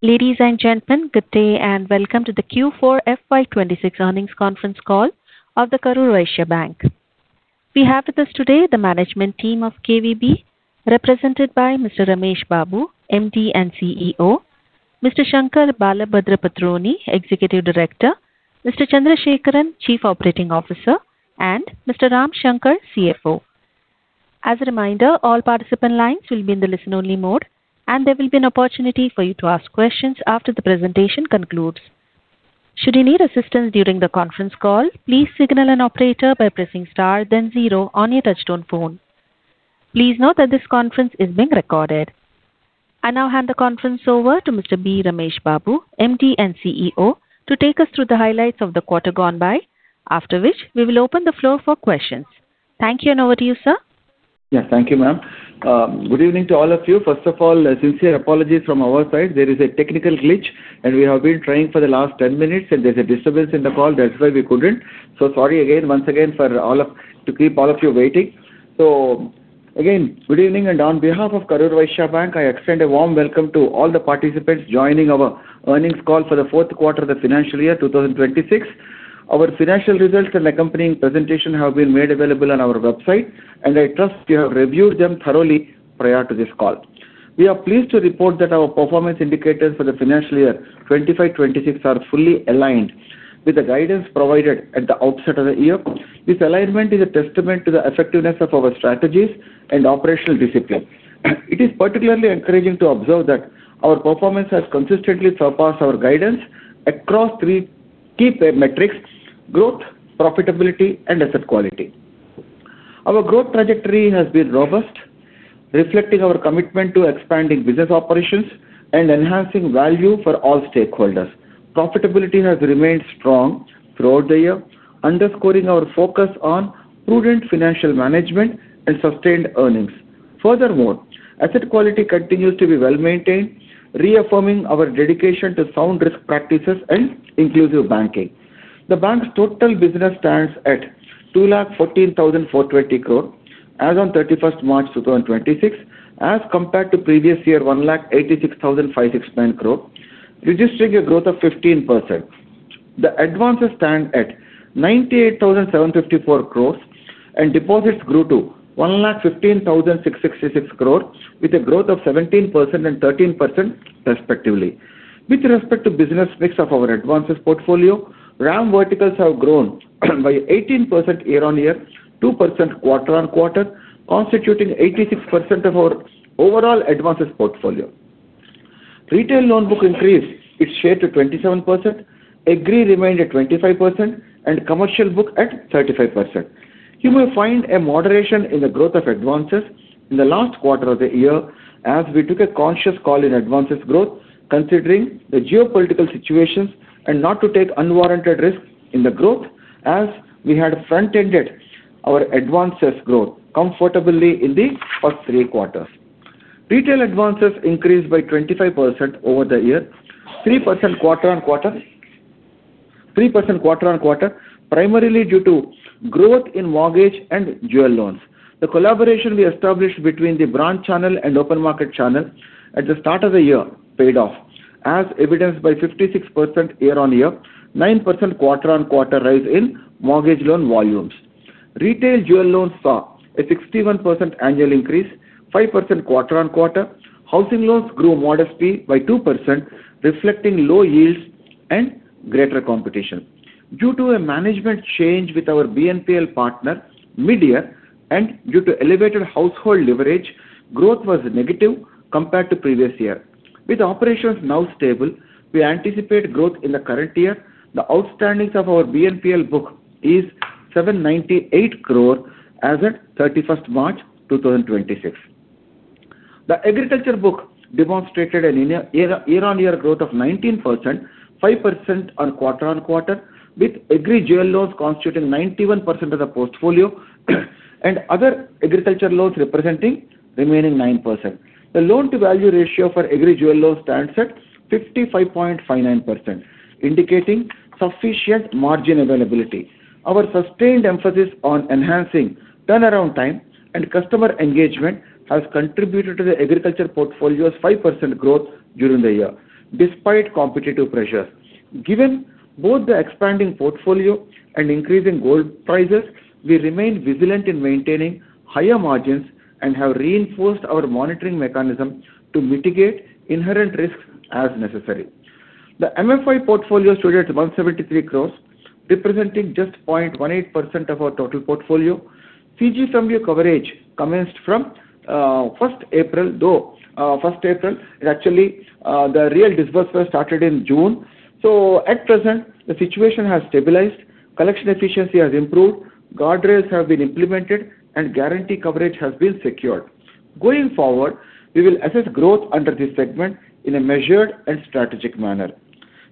Ladies and gentlemen, good day and welcome to the Q4 FY 2026 earnings conference call of Karur Vysya Bank. We have with us today the management team of KVB, represented by Mr. Ramesh Babu, MD and CEO, Mr. Sankar Balabhadrapatruni, Executive Director, Mr. Chandrasekaran, Chief Operating Officer, and Mr. Ramshankar, CFO. As a reminder, all participant lines will be in the listen-only mode, and there will be an opportunity for you to ask questions after the presentation concludes. Should you need assistance during the conference call, please signal an operator by pressing star then zero on your touch-tone phone. Please note that this conference is being recorded. I now hand the conference over to Mr. B. Ramesh Babu, MD and CEO, to take us through the highlights of the quarter gone by, after which we will open the floor for questions. Thank you, and over to you, sir. Yes, thank you, ma'am. Good evening to all of you. First of all, a sincere apologies from our side. There is a technical glitch, and we have been trying for the last 10 minutes, and there's a disturbance in the call. That's why we couldn't. Sorry once again for all of to keep all of you waiting. Again, good evening, and on behalf of Karur Vysya Bank, I extend a warm welcome to all the participants joining our earnings call for the fourth quarter of the financial year 2026. Our financial results and accompanying presentation have been made available on our website, and I trust you have reviewed them thoroughly prior to this call. We are pleased to report that our performance indicators for the financial year 2025-2026 are fully aligned with the guidance provided at the outset of the year. This alignment is a testament to the effectiveness of our strategies and operational discipline. It is particularly encouraging to observe that our performance has consistently surpassed our guidance across three key metrics, growth, profitability, and asset quality. Our growth trajectory has been robust, reflecting our commitment to expanding business operations and enhancing value for all stakeholders. Profitability has remained strong throughout the year, underscoring our focus on prudent financial management and sustained earnings. Furthermore, asset quality continues to be well-maintained, reaffirming our dedication to sound risk practices and inclusive banking. The bank's total business stands at 2,14,420 crore as on March 31, 2026 as compared to previous year 1,86,569, crore registering a growth of 15%. The advances stand at 98,754 crore and deposits grew to 1,15,666 crore with a growth of 17% and 13% respectively. With respect to business mix of our advances portfolio, RAM verticals have grown by 18% year-on-year, 2% quarter-on-quarter, constituting 86% of our overall advances portfolio. Retail loan book increased its share to 27%, agri remained at 25% and commercial book at 35%. You may find a moderation in the growth of advances in the last quarter of the year as we took a conscious call in advances growth considering the geopolitical situations and not to take unwarranted risk in the growth as we had front-ended our advances growth comfortably in the first three quarters. Retail advances increased by 25% over the year, 3% quarter-on-quarter, primarily due to growth in mortgage and jewel loans. The collaboration we established between the branch channel and open market channel at the start of the year paid off as evidenced by 56% year-on-year, 9% quarter-on-quarter rise in mortgage loan volumes. Retail jewel loans saw a 61% annual increase, 5% quarter-on-quarter. Housing loans grew modestly by 2%, reflecting low yields and greater competition. Due to a management change with our BNPL partner mid-year and due to elevated household leverage, growth was negative compared to previous year. With operations now stable, we anticipate growth in the current year. The outstandings of our BNPL book is 798 crore as at March 31, 2026. The agriculture book demonstrated an year-on-year growth of 19%, 5% on quarter-on-quarter, with Jewel Loans constituting 91% of the portfolio and other agriculture loans representing remaining 9%. The loan-to-value ratio for Jewel Loans stands at 55.59%, indicating sufficient margin availability. Our sustained emphasis on enhancing turnaround time and customer engagement has contributed to the agriculture portfolio's 5% growth during the year, despite competitive pressures. Given both the expanding portfolio and increase in gold prices, we remain vigilant in maintaining higher margins and have reinforced our monitoring mechanism to mitigate inherent risks as necessary. The MFI portfolio stood at 173 crores, representing just 0.18% of our total portfolio. CGFMU coverage commenced from 1st April, though 1st April, it actually the real disbursement started in June. At present, the situation has stabilized, collection efficiency has improved, guardrails have been implemented, and guarantee coverage has been secured. Going forward, we will assess growth under this segment in a measured and strategic manner.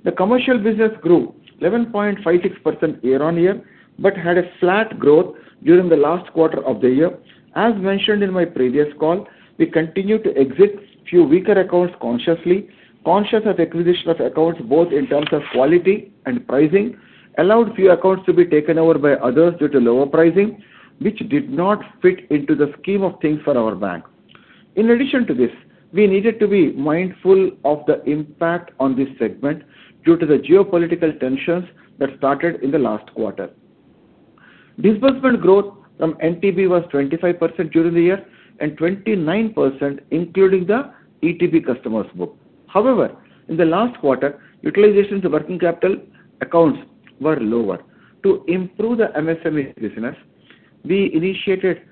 The commercial business grew 11.56% year-on-year but had a flat growth during the last quarter of the year. As mentioned in my previous call, we continue to exit few weaker accounts consciously, conscious of acquisition of accounts both in terms of quality and pricing, allowed few accounts to be taken over by others due to lower pricing, which did not fit into the scheme of things for our bank. In addition to this, we needed to be mindful of the impact on this segment due to the geopolitical tensions that started in the last quarter. Disbursement growth from NTB was 25% during the year and 29% including the ETB customers book. However, in the last quarter, utilizations of working capital accounts were lower. To improve the MSME business, we initiated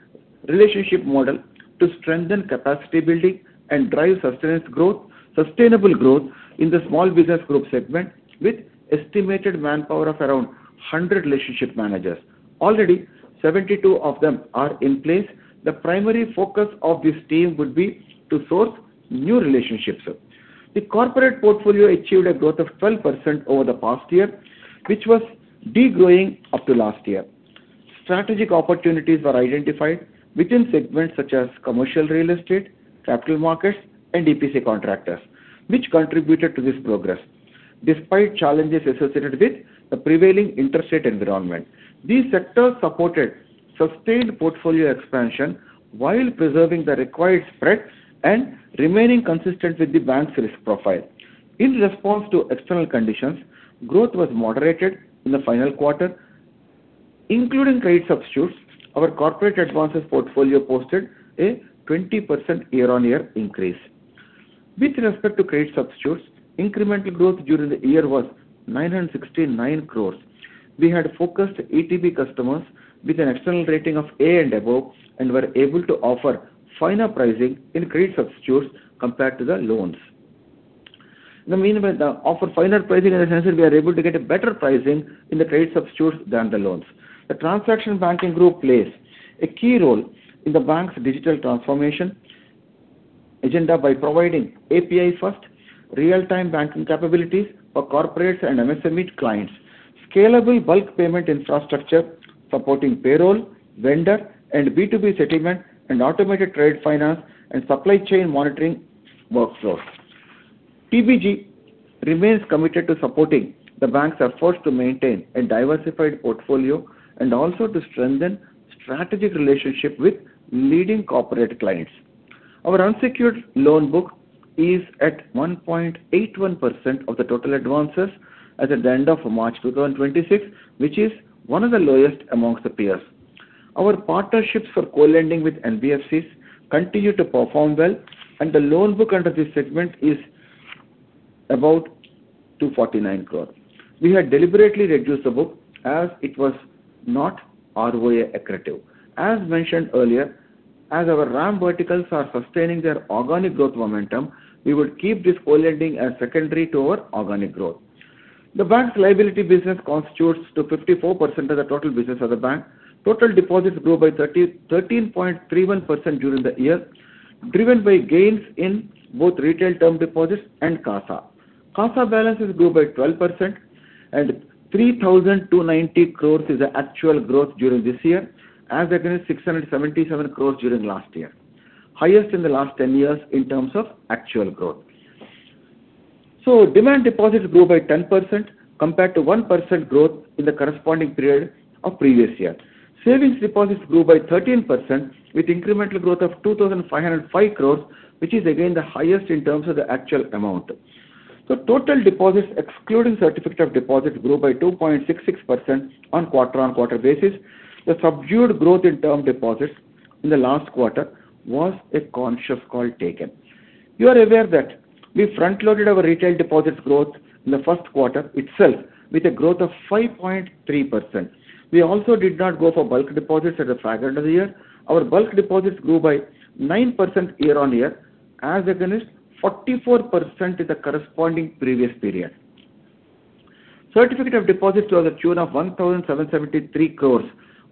relationship model to strengthen capacity building and drive sustainable growth in the small business group segment with estimated manpower of around 100 relationship managers. Already 72 of them are in place. The primary focus of this team would be to source new relationships. The corporate portfolio achieved a growth of 12% over the past year, which was degrowing up to last year. Strategic opportunities were identified within segments such as commercial real estate, capital markets, and EPC contractors, which contributed to this progress despite challenges associated with the prevailing interest rate environment. These sectors supported sustained portfolio expansion while preserving the required spreads and remaining consistent with the bank's risk profile. In response to external conditions, growth was moderated in the final quarter. Including trade substitutes, our corporate advances portfolio posted a 20% year-on-year increase. With respect to trade substitutes, incremental growth during the year was 969 crore. We had focused ETB customers with an external rating of A and above and were able to offer finer pricing in trade substitutes compared to the loans. I mean by the offer finer pricing in the sense that we are able to get a better pricing in the trade substitutes than the loans. The Transaction Banking Group plays a key role in the bank's digital transformation agenda by providing API first real-time banking capabilities for corporates and MSME clients. Scalable bulk payment infrastructure supporting payroll, vendor, and B2B settlement, and automated trade finance and supply chain monitoring workflows. TBG remains committed to supporting the bank's efforts to maintain a diversified portfolio and also to strengthen strategic relationship with leading corporate clients. Our unsecured loan book is at 1.81% of the total advances as at the end of March 2026, which is one of the lowest amongst the peers. Our partnerships for co-lending with NBFCs continue to perform well, and the loan book under this segment is about 249 crore. We had deliberately reduced the book as it was not ROA accretive. As mentioned earlier, as our RAM verticals are sustaining their organic growth momentum, we would keep this co-lending as secondary to our organic growth. The bank's liability business constitutes to 54% of the total business of the bank. Total deposits grew by 13.31% during the year, driven by gains in both retail term deposits and CASA. CASA balances grew by 12% and 3,290 crores is the actual growth during this year, as against 677 crores during last year. Highest in the last 10 years in terms of actual growth. Demand deposits grew by 10% compared to 1% growth in the corresponding period of previous year. Savings deposits grew by 13% with incremental growth of 2,505 crores, which is again the highest in terms of the actual amount. Total deposits excluding certificate of deposits grew by 2.66% on quarter-on-quarter basis. The subdued growth in term deposits in the last quarter was a conscious call taken. You are aware that we front-loaded our retail deposits growth in the first quarter itself with a growth of 5.3%. We also did not go for bulk deposits at the back end of the year. Our bulk deposits grew by 9% year-on-year as against 44% in the corresponding previous period. Certificate of deposits to the tune of 1,773 crore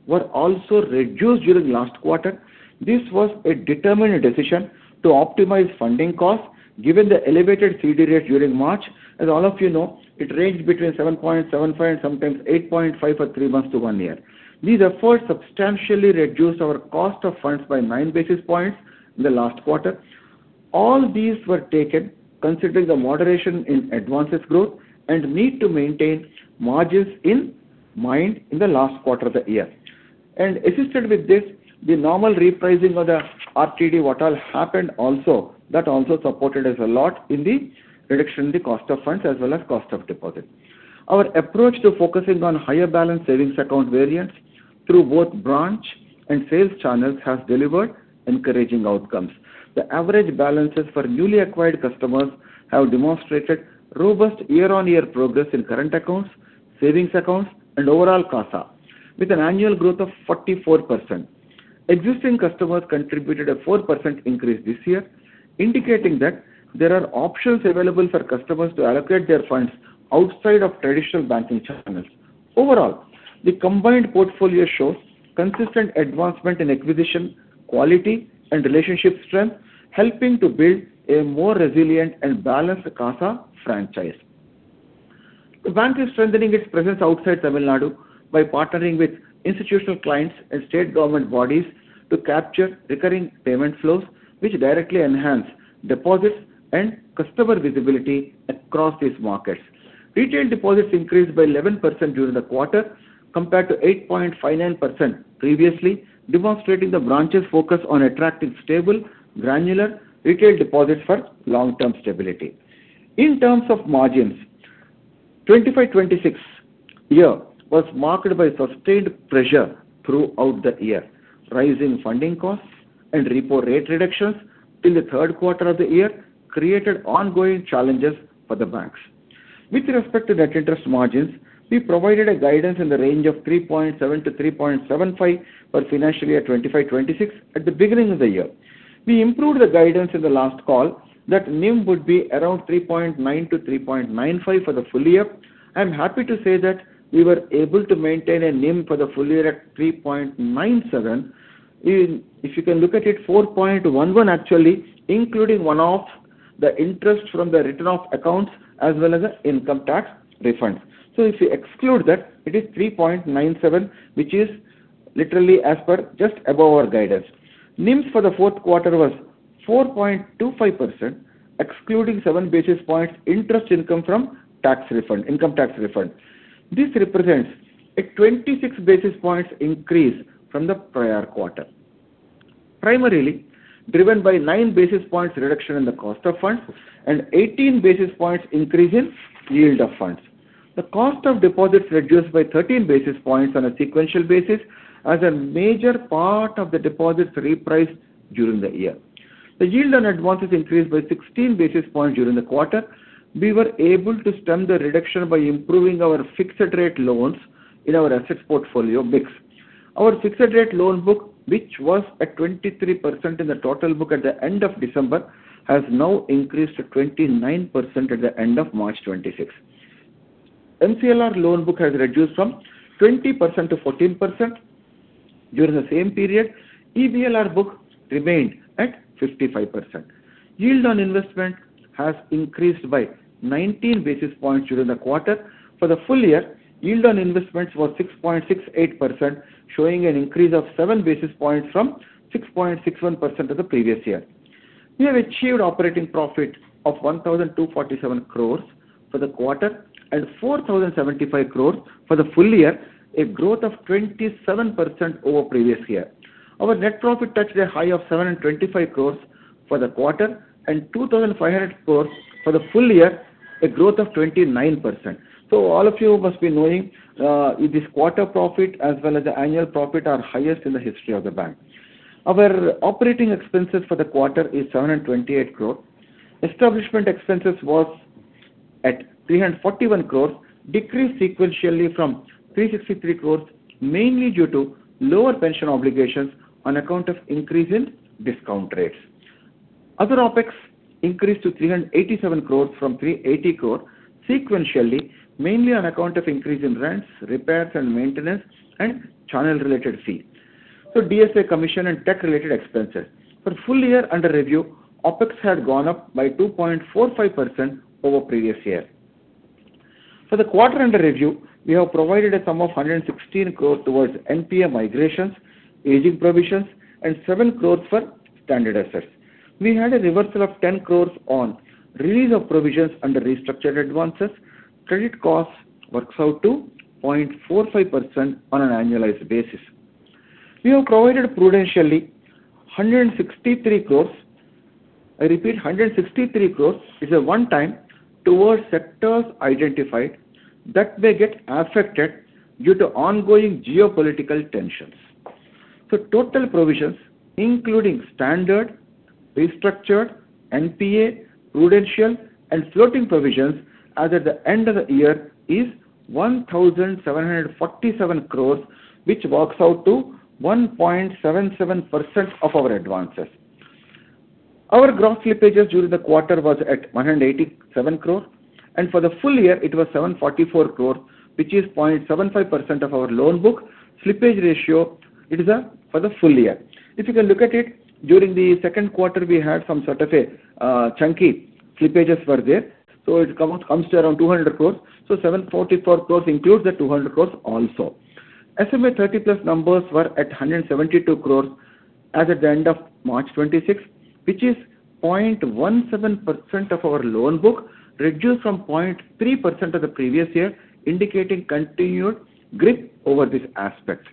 were also reduced during last quarter. This was a determined decision to optimize funding costs given the elevated CD rate during March. As all of you know, it ranged between 7.75% and sometimes 8.5% for three months to one year. These efforts substantially reduced our cost of funds by 9 basis points in the last quarter. All these were taken considering the moderation in advances growth and need to maintain margins in mind in the last quarter of the year. Assisted with this, the normal repricing of the RTD what all happened also, that also supported us a lot in the reduction in the cost of funds as well as cost of deposit. Our approach to focusing on higher balance savings account variants through both branch and sales channels has delivered encouraging outcomes. The average balances for newly acquired customers have demonstrated robust year-on-year progress in current accounts, savings accounts, and overall CASA with an annual growth of 44%. Existing customers contributed a 4% increase this year, indicating that there are options available for customers to allocate their funds outside of traditional banking channels. Overall, the combined portfolio shows consistent advancement in acquisition, quality, and relationship strength, helping to build a more resilient and balanced CASA franchise. The bank is strengthening its presence outside Tamil Nadu by partnering with institutional clients and state government bodies to capture recurring payment flows, which directly enhance deposits and customer visibility across these markets. Retail deposits increased by 11% during the quarter compared to 8.59% previously, demonstrating the branch's focus on attracting stable, granular retail deposits for long-term stability. In terms of margins, 2025-2026 year was marked by sustained pressure throughout the year. Rise in funding costs and repo rate reductions in the third quarter of the year created ongoing challenges for the banks. With respect to net interest margins, we provided a guidance in the range of 3.7% to 3.75% for financial year 2025, 2026 at the beginning of the year. We improved the guidance in the last call that NIM would be around 3.9% to 3.95% for the full year. I am happy to say that we were able to maintain a NIM for the full year at 3.97%. If you can look at it, 4.11% actually including one-off the interest from the written-off accounts as well as the income tax refund. If you exclude that, it is 3.97%, which is literally as per just above our guidance. NIMs for the fourth quarter was 4.25% excluding seven basis points interest income from tax refund, income tax refund. This represents a 26 basis points increase from the prior quarter, primarily driven by 9 basis points reduction in the cost of funds and 18 basis points increase in yield of funds. The cost of deposits reduced by 13 basis points on a sequential basis as a major part of the deposits repriced during the year. The yield on advances increased by 16 basis points during the quarter. We were able to stem the reduction by improving our fixed rate loans in our assets portfolio mix. Our fixed rate loan book, which was at 23% in the total book at the end of December, has now increased to 29% at the end of March 26. MCLR loan book has reduced from 20% to 14% during the same period. EBLR book remained at 55%. Yield on investment has increased by 19 basis points during the quarter. For the full year, yield on investments was 6.68%, showing an increase of 7 basis points from 6.61% of the previous year. We have achieved operating profit of 1,247 crore for the quarter and 4,075 crore for the full year, a growth of 27% over previous year. Our net profit touched a high of 725 crore for the quarter and 2,500 crore for the full year, a growth of 29%. All of you must be knowing, this quarter profit as well as the annual profit are highest in the history of the bank. Our operating expenses for the quarter is 728 crore. Establishment expenses was at 341 crores, decreased sequentially from 363 crores, mainly due to lower pension obligations on account of increase in discount rates. Other OpEx increased to 387 crores from 380 crore sequentially, mainly on account of increase in rents, repairs and maintenance and channel related fees. DSA commission and tech related expenses. For full year under review, OpEx had gone up by 2.45% over previous year. For the quarter under review, we have provided a sum of 116 crores towards NPA migrations, aging provisions and 7 crores for standard assets. We had a reversal of 10 crores on release of provisions under restructured advances. Credit cost works out to 0.45% on an annualized basis. We have provided prudentially 163 crores, I repeat, 163 crores is a one-time towards sectors identified that may get affected due to ongoing geopolitical tensions. Total provisions, including standard, restructured, NPA, prudential and floating provisions as at the end of the year is 1,747 crores, which works out to 1.77% of our advances. Our gross slippages during the quarter was at 187 crore, and for the full year it was 744 crore, which is 0.75% of our loan book. Slippage ratio, it is for the full year. If you can look at it, during the second quarter we had some sort of a chunky slippages were there. It comes to around 200 crores. 744 crores includes the 200 crores also. SMA 30+ numbers were at 172 crores as at the end of March 2026, which is 0.17% of our loan book, reduced from 0.3% of the previous year, indicating continued grip over these aspects.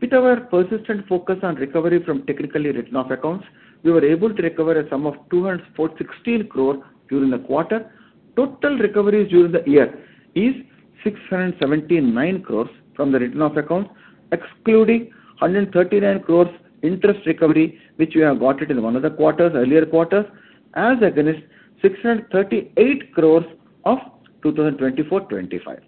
With our persistent focus on recovery from technically written off accounts, we were able to recover a sum of 216 crore during the quarter. Total recoveries during the year is 679 crores from the written off accounts, excluding 139 crores interest recovery, which we have got it in one of the quarters, earlier quarters, as against 638 crores of 2024-25.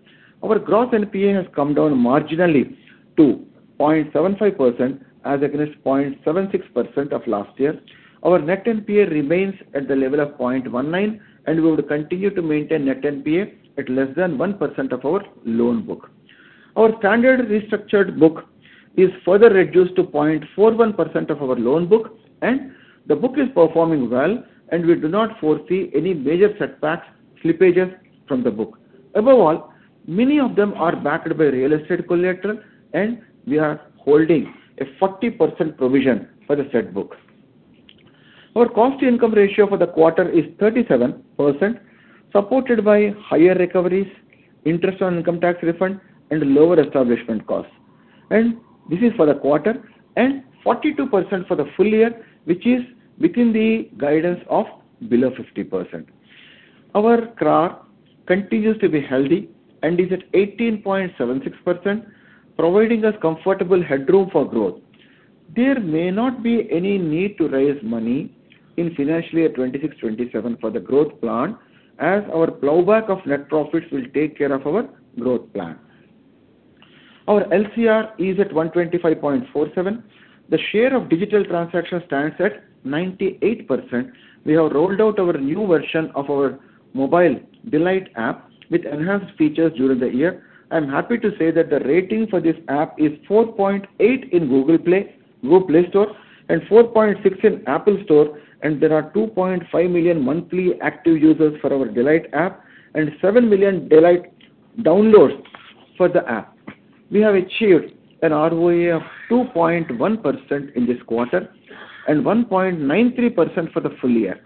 Our gross NPA has come down marginally to 0.75% as against 0.76% of last year. Our net NPA remains at the level of 0.19, and we would continue to maintain net NPA at less than 1% of our loan book. Our standard restructured book is further reduced to 0.41% of our loan book, and the book is performing well, and we do not foresee any major setbacks, slippages from the book. Above all, many of them are backed by real estate collateral, and we are holding a 40% provision for the said book. Our cost to income ratio for the quarter is 37%, supported by higher recoveries, interest on income tax refund and lower establishment costs. This is for the quarter and 42% for the full year, which is within the guidance of below 50%. Our CRAR continues to be healthy and is at 18.76%, providing us comfortable headroom for growth. There may not be any need to raise money in financial year 2026, 2027 for the growth plan, as our plowback of net profits will take care of our growth plan. Our LCR is at 125.47. The share of digital transactions stands at 98%. We have rolled out our new version of our mobile KVB DLite app with enhanced features during the year. I am happy to say that the rating for this app is 4.8 in Google Play Store and 4.6 in Apple Store. There are 2.5 million monthly active users for our KVB DLite app and 7 million KVB DLite downloads for the app. We have achieved an ROE of 2.1% in this quarter and 1.93% for the full year.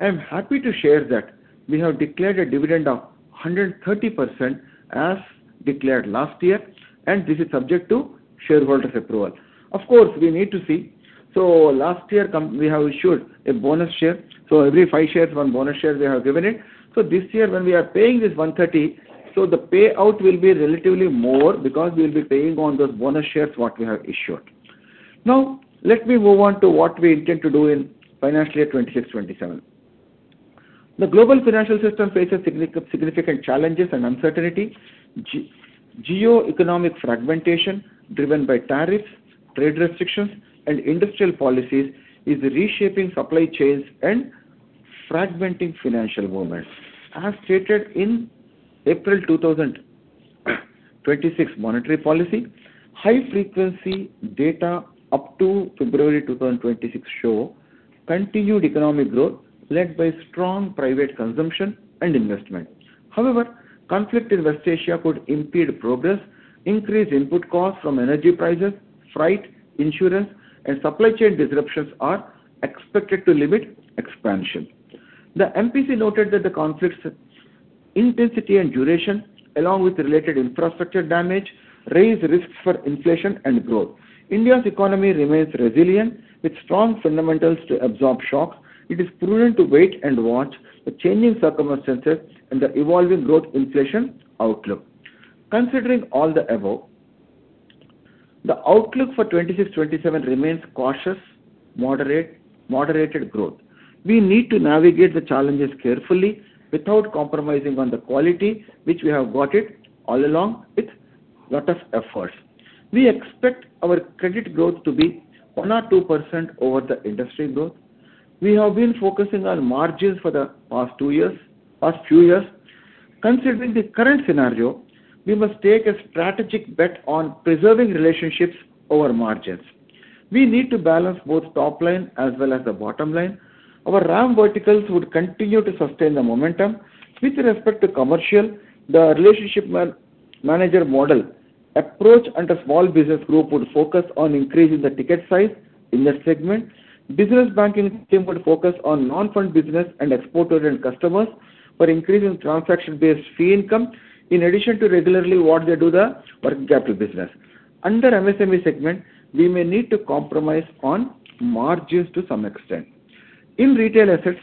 I am happy to share that we have declared a dividend of 130% as declared last year. This is subject to shareholders' approval. Of course, we need to see. Last year, we have issued a bonus share. Every five shares, one bonus share we have given it. This year when we are paying this 130, the payout will be relatively more because we will be paying on those bonus shares what we have issued. Now, let me move on to what we intend to do in financial year 2026, 2027. The global financial system faces significant challenges and uncertainty. Geoeconomic fragmentation driven by tariffs, trade restrictions, and industrial policies is reshaping supply chains and fragmenting financial movements. As stated in April 2026 monetary policy, high-frequency data up to February 2026 show continued economic growth led by strong private consumption and investment. However, conflict in West Asia could impede progress, increase input costs from energy prices, freight, insurance, and supply chain disruptions are expected to limit expansion. The MPC noted that the conflict's intensity and duration, along with related infrastructure damage, raise risks for inflation and growth. India's economy remains resilient with strong fundamentals to absorb shock. It is prudent to wait and watch the changing circumstances and the evolving growth inflation outlook. Considering all the above, the outlook for 2026, 2027 remains cautious, moderate, moderated growth. We need to navigate the challenges carefully without compromising on the quality which we have got it all along with lot of efforts. We expect our credit growth to be 1% or 2% over the industry growth. We have been focusing on margins for the past two years, past few years. Considering the current scenario, we must take a strategic bet on preserving relationships over margins. We need to balance both top line as well as the bottom line. Our RAM verticals would continue to sustain the momentum. With respect to commercial, the relationship man-manager model approach and the small business group would focus on increasing the ticket size in that segment. Business banking team would focus on non-fund business and export-oriented customers for increasing transaction-based fee income, in addition to regularly what they do the working capital business. Under MSME segment, we may need to compromise on margins to some extent. In retail assets,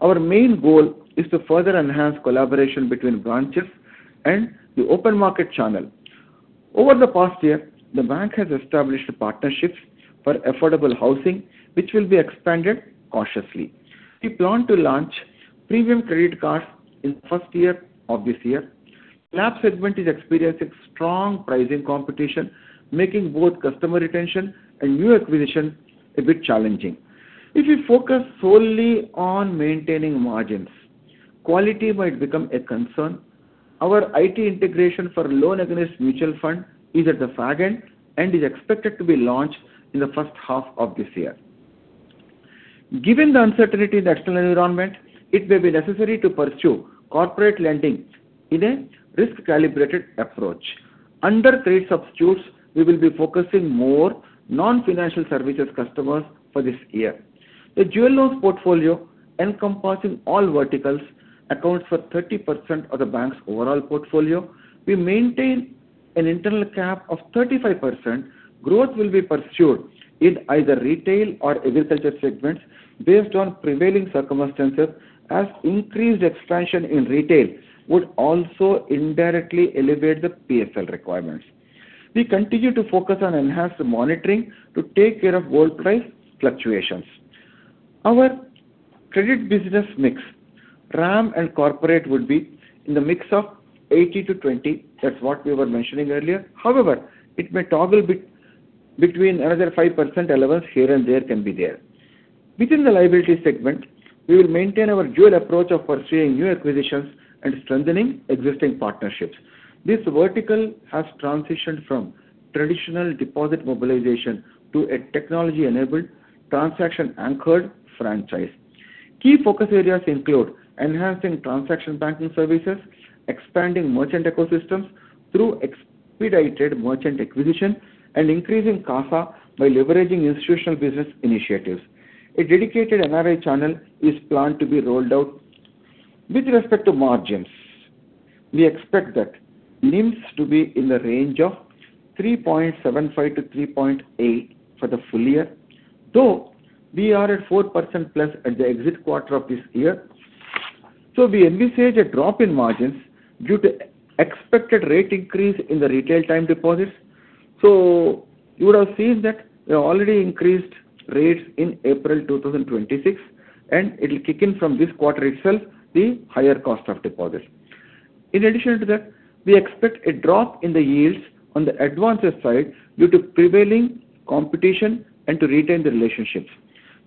our main goal is to further enhance collaboration between branches and the open market channel. Over the past year, the bank has established partnerships for affordable housing, which will be expanded cautiously. We plan to launch premium Credit Cards in first year of this year. LAP segment is experiencing strong pricing competition, making both customer retention and new acquisition a bit challenging. If you focus solely on maintaining margins, quality might become a concern. Our IT integration for Loan Against Mutual Funds is at the front end and is expected to be launched in the first half of this year. Given the uncertainty in the external environment, it may be necessary to pursue corporate lending in a risk-calibrated approach. Under trade substitutes, we will be focusing more non-financial services customers for this year. The jewel loans portfolio encompassing all verticals accounts for 30% of the bank's overall portfolio. We maintain an internal cap of 35%. Growth will be pursued in either retail or agriculture segments based on prevailing circumstances, as increased expansion in retail would also indirectly elevate the PSL requirements. We continue to focus on enhanced monitoring to take care of gold price fluctuations. Our credit business mix, RAM and corporate would be in the mix of 80 to 20. That's what we were mentioning earlier. However, it may toggle bit-between another 5% allowance here and there can be there. Within the liability segment, we will maintain our dual approach of pursuing new acquisitions and strengthening existing partnerships. This vertical has transitioned from traditional deposit mobilization to a technology-enabled, transaction-anchored franchise. Key focus areas include enhancing transaction banking services, expanding merchant ecosystems through expedited merchant acquisition, and increasing CASA by leveraging institutional business initiatives. A dedicated NRI channel is planned to be rolled out. With respect to margins, we expect that NIMs to be in the range of 3.75%-3.8% for the full year, though we are at 4%+ at the exit quarter of this year. We envisage a drop in margins due to expected rate increase in the retail time deposits. You would have seen that we have already increased rates in April 2026, and it'll kick in from this quarter itself, the higher cost of deposits. In addition to that, we expect a drop in the yields on the advances side due to prevailing competition and to retain the relationships.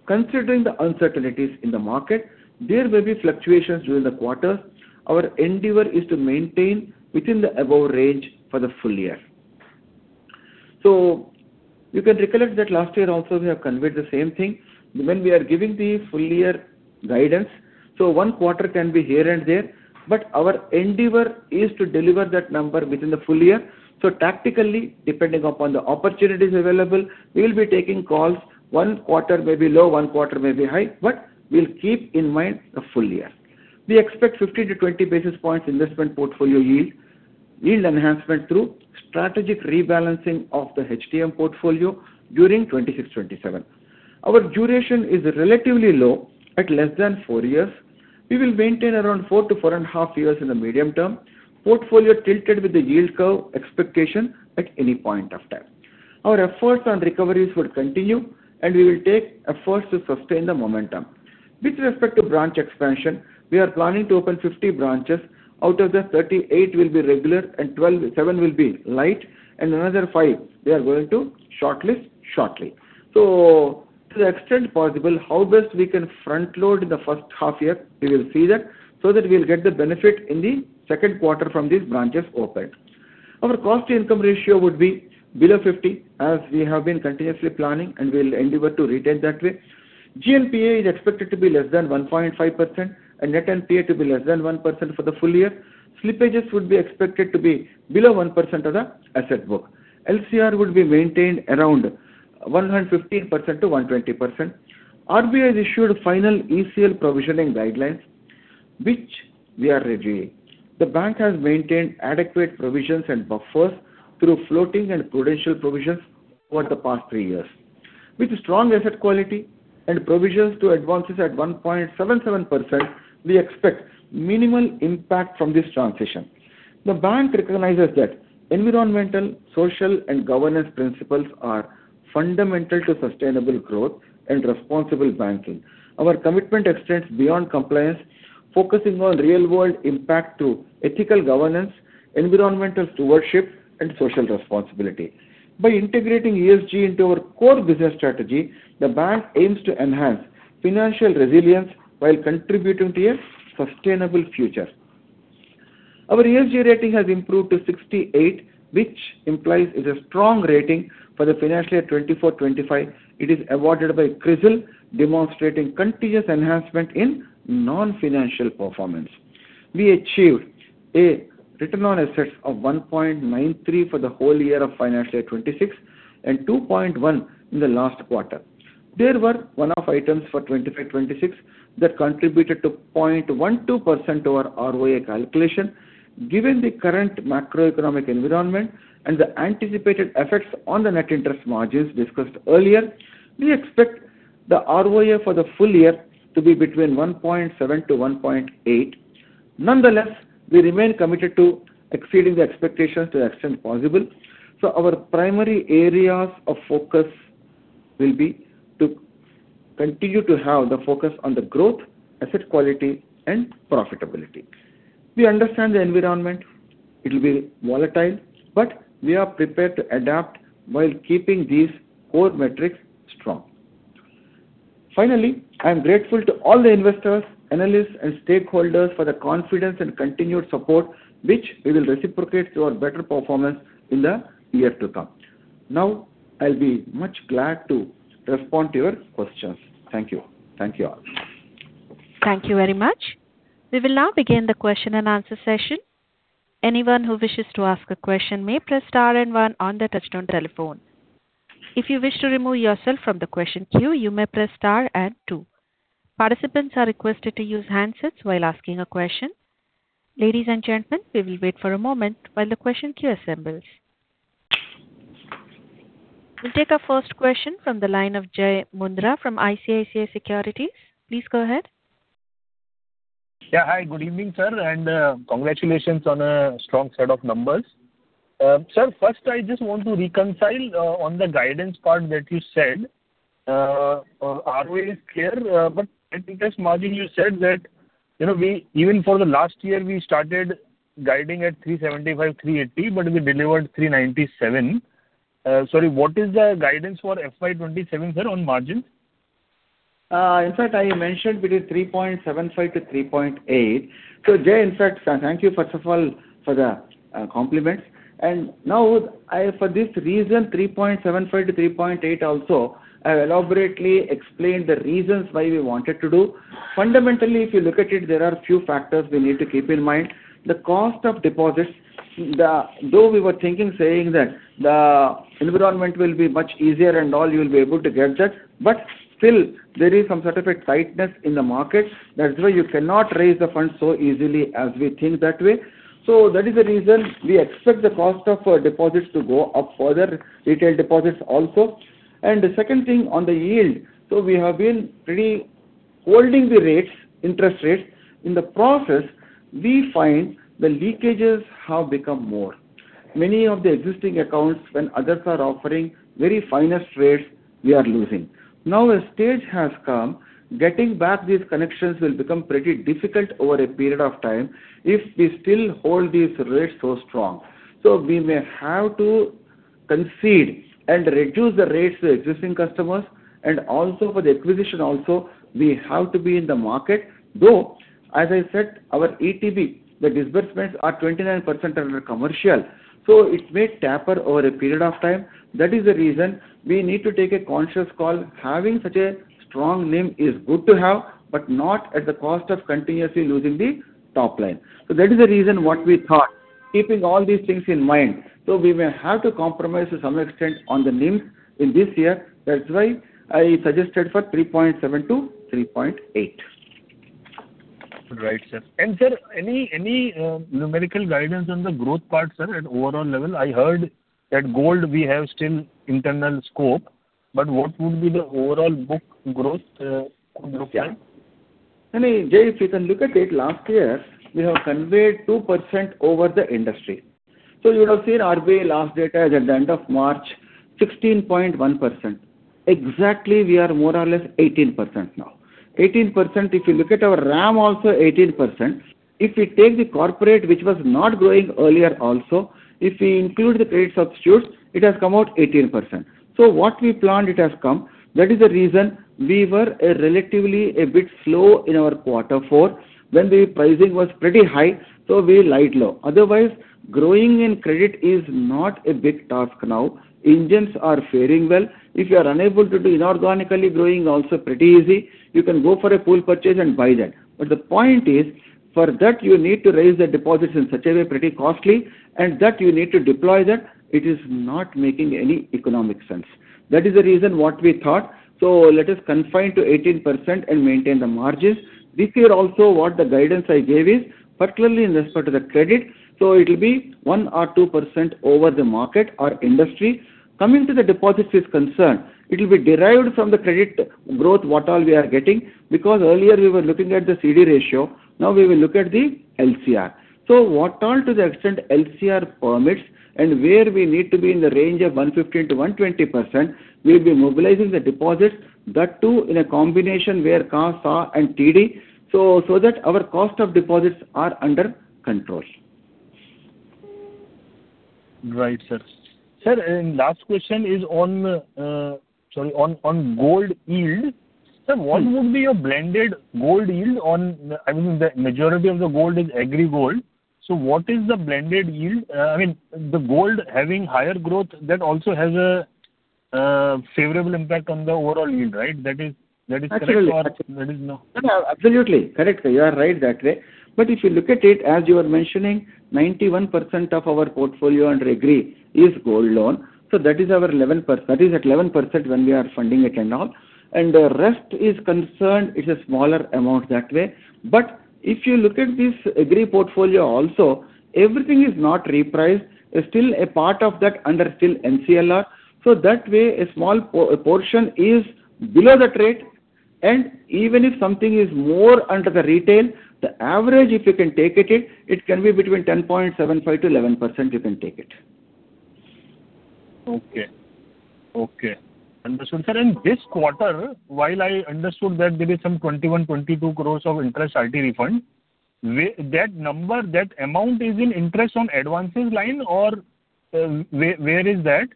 Considering the uncertainties in the market, there may be fluctuations during the quarter. Our endeavor is to maintain within the above range for the full year. You can recollect that last year also we have conveyed the same thing when we are giving the full year guidance. One quarter can be here and there, but our endeavor is to deliver that number within the full year. Tactically, depending upon the opportunities available, we will be taking calls. One quarter may be low, one quarter may be high, but we'll keep in mind the full year. We expect 50 to 20 basis points investment portfolio yield enhancement through strategic rebalancing of the HTM portfolio during 2026, 2027. Our duration is relatively low at less than four years. We will maintain around four to four and a half years in the medium term. Portfolio tilted with the yield curve expectation at any point of time. Our efforts on recoveries would continue, and we will take efforts to sustain the momentum. With respect to branch expansion, we are planning to open 50 branches. Out of that, 38 will be regular and 12 7 will be light and another 5 we are going to shortlist shortly. To the extent possible, how best we can front load the first half-year, we will see that, so that we will get the benefit in the second quarter from these branches opened. Our cost-to-income ratio would be below 50, as we have been continuously planning, and we will endeavor to retain that way. GNPA is expected to be less than 1.5% and net NPA to be less than 1% for the full year. Slippages would be expected to be below 1% of the asset book. LCR would be maintained around 115%-120%. RBI has issued final ECL provisioning guidelines, which we are reviewing. The bank has maintained adequate provisions and buffers through floating and prudential provisions over the past three years. With strong asset quality and provisions to advances at 1.77%, we expect minimal impact from this transition. The bank recognizes that environmental, social, and governance principles are fundamental to sustainable growth and responsible banking. Our commitment extends beyond compliance, focusing on real world impact to ethical governance, environmental stewardship, and social responsibility. By integrating ESG into our core business strategy, the bank aims to enhance financial resilience while contributing to a sustainable future. Our ESG rating has improved to 68, which implies it's a strong rating for the financial year 2024, 2025. It is awarded by CRISIL, demonstrating continuous enhancement in non-financial performance. We achieved a return on assets of 1.93% for the whole year of financial year 2026 and 2.1% in the last quarter. There were one-off items for 2025, 2026 that contributed to 0.12% to our ROA calculation. Given the current macroeconomic environment and the anticipated effects on the net interest margins discussed earlier, we expect the ROA for the full year to be between 1.7%-1.8%. Nonetheless, we remain committed to exceeding the expectations to the extent possible. Our primary areas of focus will be to continue to have the focus on the growth, asset quality, and profitability. We understand the environment. It will be volatile, but we are prepared to adapt while keeping these core metrics strong. Finally, I am grateful to all the investors, analysts, and stakeholders for the confidence and continued support which we will reciprocate through our better performance in the year to come. Now, I'll be much glad to respond to your questions. Thank you. Thank you all. Thank you very much. We will now begin the question and answer session. Anyone who wishes to ask a question may press star one on the touch-tone telephone. If you wish to remove yourself from the question queue, you may press star and two. Participants are requested to use handsets while asking a question. Ladies and gentlemen. We will wait for a moment while the question queue assembles. We'll take our first question from the line of Jai Mundhra from ICICI Securities. Please go ahead. Yeah. Hi, good evening, sir, and congratulations on a strong set of numbers. Sir, first I just want to reconcile on the guidance part that you said. ROA is clear, but net interest margin you said that, you know, we even for the last year, we started guiding at 375, 380, but we delivered 397. Sorry, what is the guidance for FY 2027, sir, on margin? In fact, I mentioned between 3.75 to 3.8. Jay, in fact, thank you first of all for the compliments. Now I for this reason, 3.75 to 3.8 also, I elaborately explained the reasons why we wanted to do. Fundamentally, if you look at it, there are a few factors we need to keep in mind. The cost of deposits though we were thinking saying that the environment will be much easier and all you'll be able to get that, but still there is some sort of a tightness in the market. That's why you cannot raise the funds so easily as we think that way. That is the reason we expect the cost of deposits to go up further, retail deposits also. The second thing on the yield, so we have been pretty holding the rates, interest rates. In the process, we find the leakages have become more. Many of the existing accounts when others are offering very finest rates, we are losing. A stage has come, getting back these connections will become pretty difficult over a period of time if we still hold these rates so strong. We may have to concede and reduce the rates to existing customers, and also for the acquisition also, we have to be in the market, though, as I said, our ETB, the disbursements are 29% under commercial, so it may taper over a period of time. That is the reason we need to take a conscious call. Having such a strong NIM is good to have, but not at the cost of continuously losing the top line. That is the reason what we thought, keeping all these things in mind. We may have to compromise to some extent on the NIM in this year. That's why I suggested for 3.7%-3.8%. Right, sir. Sir, any numerical guidance on the growth part, sir, at overall level? I heard that gold we have still internal scope, but what would be the overall book growth book line? Yeah. I mean, Jay, if you can look at it, last year, we have conveyed 2% over the industry. You would have seen RBI last data is at the end of March, 16.1%. Exactly, we are more or less 18% now. 18%, if you look at our RAM also 18%. If we take the corporate, which was not growing earlier also, if we include the credit substitutes, it has come out 18%. What we planned, it has come. That is the reason we were relatively a bit slow in our quarter four when the pricing was pretty high, so we laid low. Otherwise, growing in credit is not a big task now. Engines are faring well. If you are unable to do inorganically growing, also pretty easy. You can go for a pool purchase and buy that. The point is, for that you need to raise the deposits in such a way pretty costly, and that you need to deploy that it is not making any economic sense. That is the reason what we thought. Let us confine to 18% and maintain the margins. This year also, what the guidance I gave is, particularly in respect to the credit, it will be 1% or 2% over the market or industry. Coming to the deposits is concerned, it will be derived from the credit growth what all we are getting because earlier we were looking at the CD ratio, now we will look at the LCR. What all to the extent LCR permits and where we need to be in the range of 115%-120%, we'll be mobilizing the deposits, that too in a combination where CASA and TD, so that our cost of deposits are under control. Right, sir. Sir, last question is on, sorry, on gold yield. Sir, what would be a blended gold yield on I mean, the majority of the gold is agri gold. What is the blended yield? I mean, the gold having higher growth, that also has a favorable impact on the overall yield, right? That is correct. Absolutely. That is no? Absolutely. Correct, sir. You are right that way. If you look at it, as you are mentioning, 91% of our portfolio under Agri is gold loan. That is at 11% when we are funding it and all. The rest is concerned, it's a smaller amount that way. If you look at this agri portfolio also, everything is not repriced. There's still a part of that under still MCLR. That way a small portion is below that rate and even if something is more under the retail, the average if you can take it can be between 10.75% to 11% you can take it. Okay. Okay. Understood. Sir, in this quarter, while I understood that there is some 21, 22 crore of interest IT refund, that number, that amount is in interest on advances line or where is that?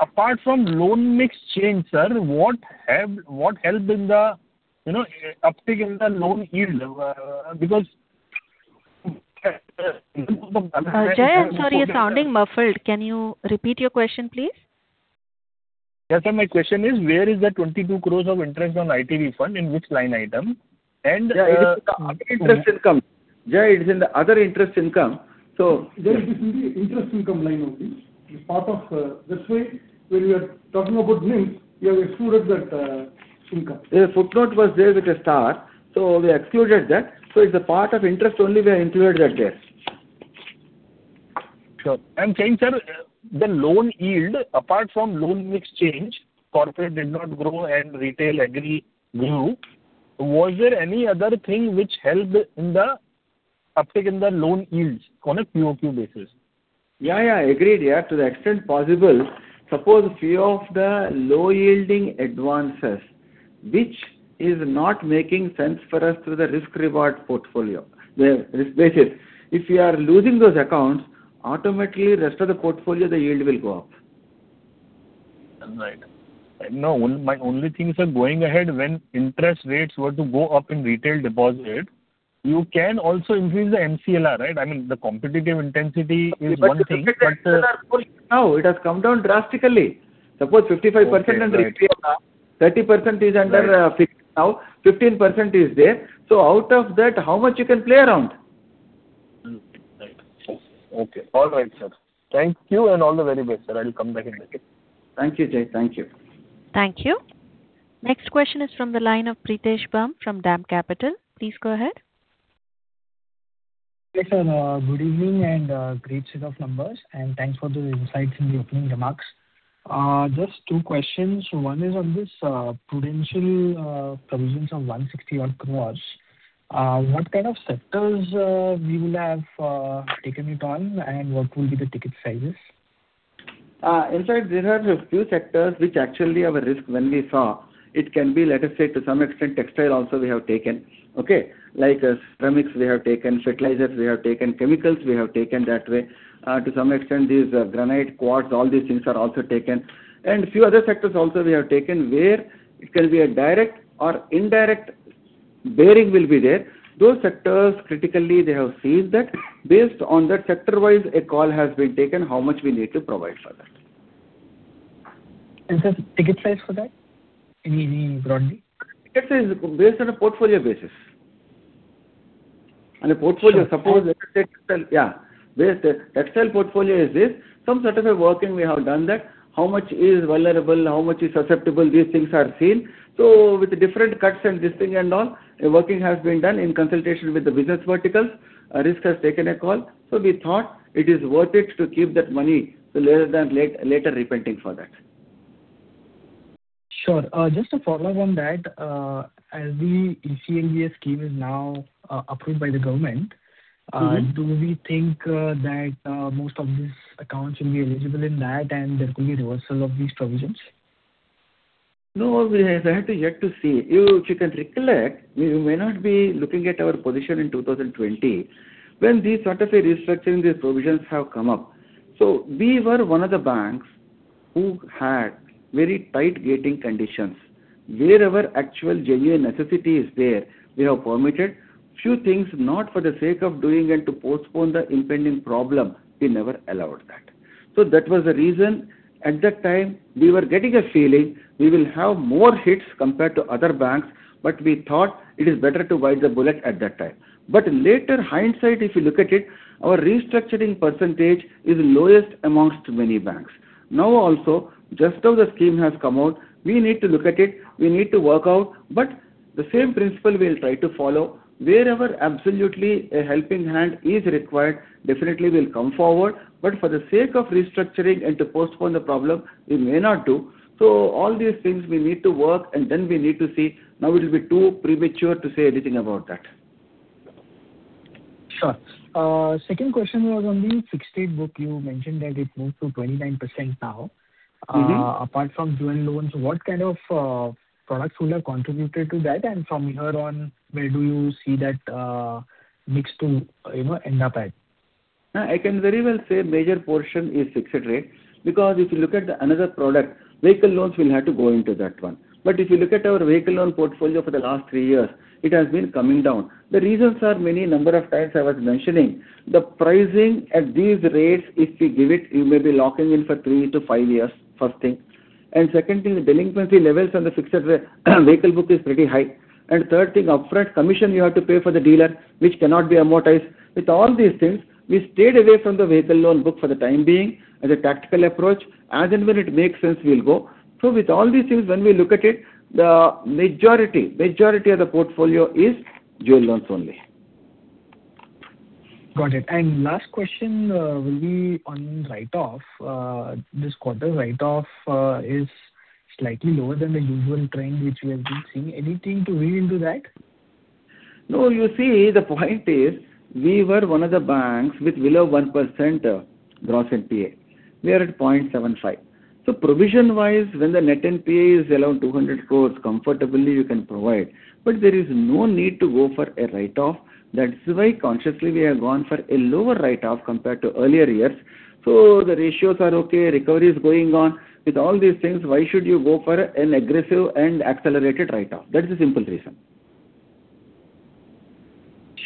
Apart from loan mix change, sir, what helped in the, you know, uptick in the loan yield? Jay, I'm sorry, you're sounding muffled. Can you repeat your question, please? Yeah. My question is, where is the 22 crore of interest on IT refund, in which line item? Yeah, it is in the other interest income. Jay, it is in the other interest income. Jay, it is in the interest income line only. This way, when we are talking about NIM, we have excluded that income. Yeah, footnote was there with a star, so we excluded that. It's a part of interest only we have included that there. Sure. I'm saying, sir, the loan yield, apart from loan mix change, corporate did not grow and retail agri grew. Was there any other thing which helped in the uptick in the loan yields on a QOQ basis? Yeah, agreed. Yeah. To the extent possible, suppose few of the low yielding advances, which is not making sense for us through the risk reward portfolio, where risk basis. If we are losing those accounts, automatically rest of the portfolio, the yield will go up. Right. My only thing, sir, going ahead, when interest rates were to go up in retail deposit, you can also increase the MCLR, right? I mean, the competitive intensity is one thing, but. Competitive intensity are full now. It has come down drastically. Suppose 55% and risk fee come up. 30% is under fixed now, 15% is there. Out of that, how much you can play around? Mm-hmm. Right. Okay. All right, sir. Thank you, and all the very best, sir. I will come back in the queue. Thank you, Jai. Thank you. Thank you. Next question is from the line of Pritesh Bumb from DAM Capital. Please go ahead. Yes, sir. Good evening and great set of numbers, and thanks for the insights in the opening remarks. Just two questions. One is on this prudential provisions of 160 odd crores. What kind of sectors we will have taken it on, and what will be the ticket sizes? In fact, there are a few sectors which actually our risk when we saw, it can be, let us say, to some extent, textile also we have taken. Okay. Like, ceramics we have taken, fertilizers we have taken, chemicals we have taken that way. To some extent, these, granite, quartz, all these things are also taken. And few other sectors also we have taken, where it can be a direct or indirect bearing will be there. Those sectors, critically, they have sized that. Based on that sector-wise, a call has been taken how much we need to provide for that. Sir, ticket size for that, any broadly? Ticket size based on a portfolio basis. Sure. Suppose, let us take text. Yeah. Based, textile portfolio is this. Some sort of a working we have done that. How much is vulnerable, how much is susceptible, these things are seen. With different cuts and this thing and all, a working has been done in consultation with the business verticals. Risk has taken a call. We thought it is worth it to keep that money so later than late, later repenting for that. Sure. Just to follow up on that, as the ECBA scheme is now approved by the government. Do we think that most of these accounts will be eligible in that and there could be reversal of these provisions? No, we have yet to see. If you can recollect, you may not be looking at our position in 2020, when these sort of a restructuring, these provisions have come up. We were one of the banks who had very tight gating conditions. Wherever actual genuine necessity is there, we have permitted. Few things not for the sake of doing and to postpone the impending problem, we never allowed that. That was the reason at that time we were getting a feeling we will have more hits compared to other banks, but we thought it is better to bite the bullet at that time. Later hindsight, if you look at it, our restructuring percentage is lowest amongst many banks. Also, just how the scheme has come out, we need to look at it, we need to work out. The same principle we'll try to follow. Wherever absolutely a helping hand is required, definitely we'll come forward. For the sake of restructuring and to postpone the problem, we may not do. All these things we need to work and then we need to see. It'll be too premature to say anything about that. Sure. Second question was on the fixed rate book. You mentioned that it moved to 29% now. Apart from jewel loans, what kind of products would have contributed to that? From here on, where do you see that mix to, you know, end up at? I can very well say major portion is fixed rate because if you look at the another product, vehicle loans will have to go into that one. If you look at our vehicle loan portfolio for the last three years, it has been coming down. The reasons are many number of times I was mentioning. The pricing at these rates, if we give it, you may be locking in for three to five years, first thing. Second thing, the delinquency levels on the fixed vehicle book is pretty high. Third thing, upfront commission you have to pay for the dealer, which cannot be amortized. With all these things, we stayed away from the vehicle loan book for the time being as a tactical approach. As and when it makes sense, we'll go. With all these things, when we look at it, the majority of the portfolio is jewel loans only. Got it. Last question, will be on write-off. This quarter write-off, is slightly lower than the usual trend which we have been seeing. Anything to read into that? No. You see, the point is we were one of the banks with below 1% gross NPA. We are at 0.75. Provision-wise, when the net NPA is around 200 crore, comfortably you can provide. There is no need to go for a write-off. That's why consciously we have gone for a lower write-off compared to earlier years. The ratios are okay, recovery is going on. With all these things, why should you go for an aggressive and accelerated write-off? That is the simple reason.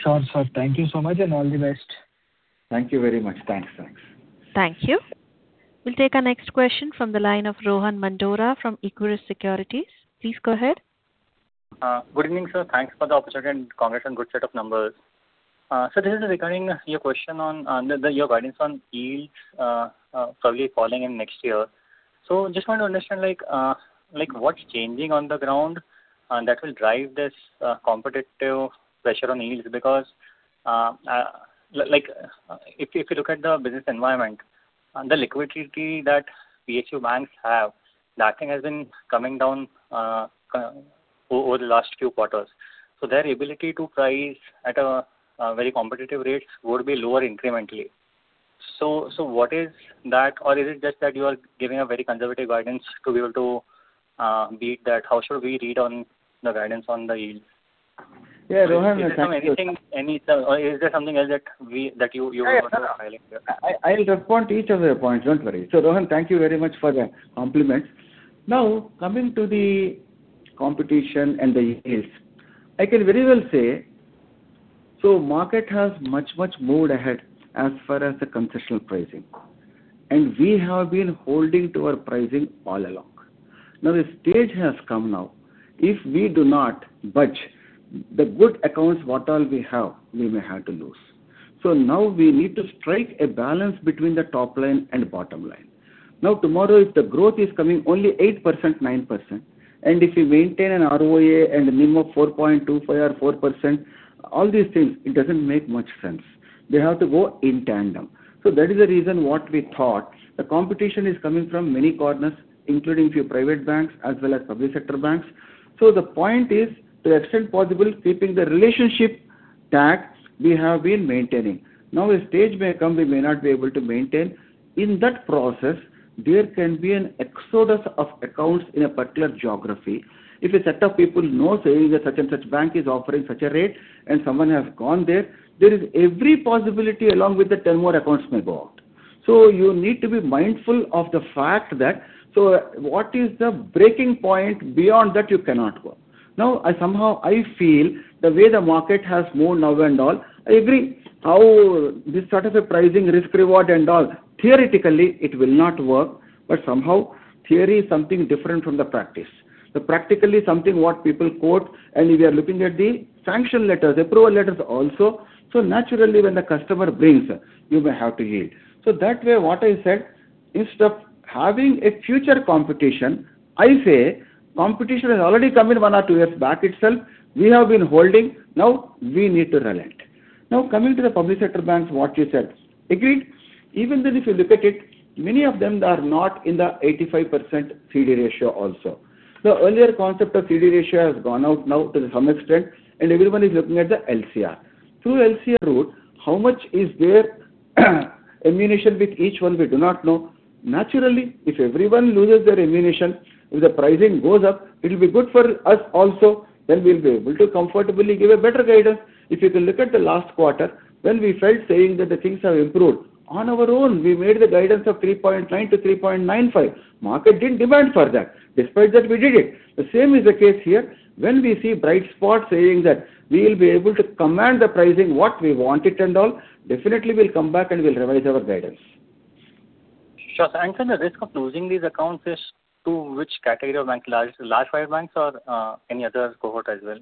Sure, sir. Thank you so much and all the best. Thank you very much. Thanks. Thanks. Thank you. We'll take our next question from the line of Rohan Mandora from Equirus Securities. Please go ahead. Good evening, sir. Thanks for the opportunity and congrats on good set of numbers. This is regarding your question on the Your guidance on yields probably falling in next year. Just want to understand like what's changing on the ground that will drive this competitive pressure on yields because like if you look at the business environment, the liquidity that PSU banks have, that thing has been coming down over the last few quarters. Their ability to price at a very competitive rates would be lower incrementally. What is that? Or is it just that you are giving a very conservative guidance to be able to beat that? How should we read on the guidance on the yield? Yeah, Rohan, If there is something, anything, any or is there something else that we, that you would want to highlight there? I'll respond to each of your points. Don't worry. Rohan, thank you very much for the compliment. Coming to the competition and the yields, I can very well say, the market has much moved ahead as far as the concessional pricing, we have been holding to our pricing all along. The stage has come now. If we do not budge, the good accounts what all we have, we may have to lose. Now we need to strike a balance between the top line and bottom line. Tomorrow, if the growth is coming only 8%, 9%, if you maintain an ROA and NIM of 4.25 or 4%, all these things, it doesn't make much sense. They have to go in tandem. That is the reason what we thought. The competition is coming from many corners, including few private banks as well as public sector banks. The point is, to the extent possible, keeping the relationship tags we have been maintaining. Now, a stage may come, we may not be able to maintain. In that process, there can be an exodus of accounts in a particular geography. If a set of people know, saying that such and such bank is offering such a rate and someone has gone there is every possibility along with the 10 more accounts may go out. You need to be mindful of the fact that, what is the breaking point beyond that you cannot go. I somehow, I feel the way the market has moved now and all, I agree how this sort of a pricing risk reward and all, theoretically it will not work, but somehow theory is something different from the practice. Practically something what people quote, and if you are looking at the sanction letters, approval letters also, so naturally when the customer brings, you may have to yield. That way, what I said, instead of having a future competition, I say competition has already come in one or two years back itself. We have been holding. We need to relent. Coming to the public sector banks, what you said. Agreed. Even then, if you look at it, many of them are not in the 85% CD ratio also. The earlier concept of CD ratio has gone out now to some extent, and everyone is looking at the LCR. Through LCR route, how much is their ammunition with each one, we do not know. Naturally, if everyone loses their ammunition, if the pricing goes up, it will be good for us also. We'll be able to comfortably give a better guidance. If you can look at the last quarter, when we felt saying that the things have improved, on our own we made the guidance of 3.9%-3.95%. Market didn't demand for that. Despite that, we did it. The same is the case here. When we see bright spots saying that we will be able to command the pricing what we want it and all, definitely we'll come back and we'll revise our guidance. Sure. Sir, the risk of losing these accounts is to which category of bank? Large five banks or any other cohort as well?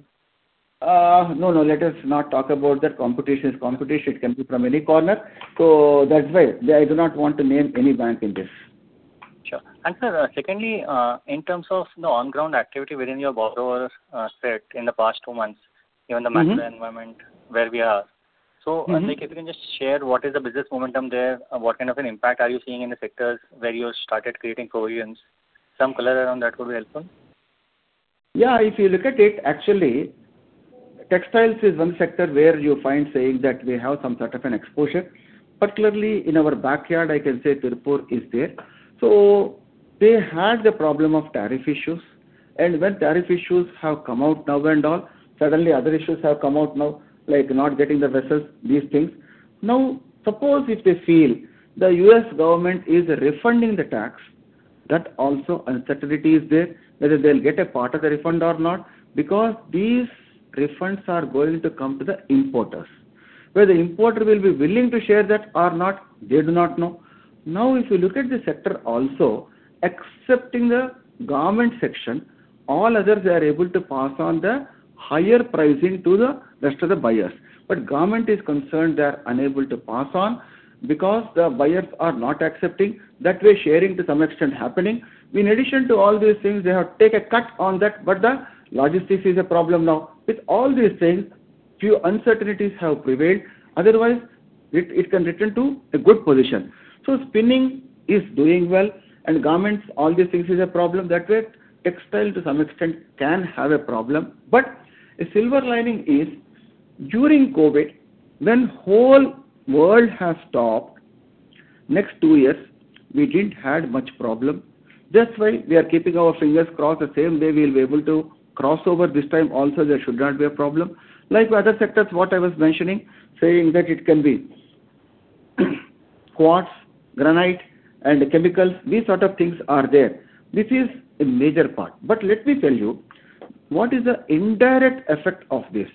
No, no. Let us not talk about that. Competition is competition. It can be from any corner. That's why I do not want to name any bank in this. Sure. Sir, secondly, in terms of the on-ground activity within your borrower, set in the past two months, given the macro environment where we are. If you can just share what is the business momentum there? What kind of an impact are you seeing in the sectors where you started creating provisions? Some color around that would be helpful. If you look at it, actually, textiles is one sector where you find saying that we have some sort of an exposure. Particularly in our backyard, I can say Tirupur is there. They had the problem of tariff issues. When tariff issues have come out now and all, suddenly other issues have come out now, like not getting the vessels, these things. Suppose if they feel the U.S. government is refunding the tax, that also uncertainty is there, whether they'll get a part of the refund or not, because these refunds are going to come to the importers. Whether the importer will be willing to share that or not, they do not know. If you look at the sector also, excepting the garment section, all others they are able to pass on the higher pricing to the rest of the buyers. Garment is concerned, they are unable to pass on because the buyers are not accepting. That way, sharing to some extent happening. In addition to all these things, they have take a cut on that, but the logistics is a problem now. With all these things, few uncertainties have prevailed. Otherwise, it can return to a good position. Spinning is doing well and garments, all these things is a problem. That way, textile to some extent can have a problem. A silver lining is during COVID, when whole world has stopped, next two years we didn't had much problem. That's why we are keeping our fingers crossed the same way we will be able to cross over this time also, there should not be a problem. Like other sectors, what I was mentioning, saying that it can be quartz, granite and chemicals, these sort of things are there. This is a major part. Let me tell you what is the indirect effect of this.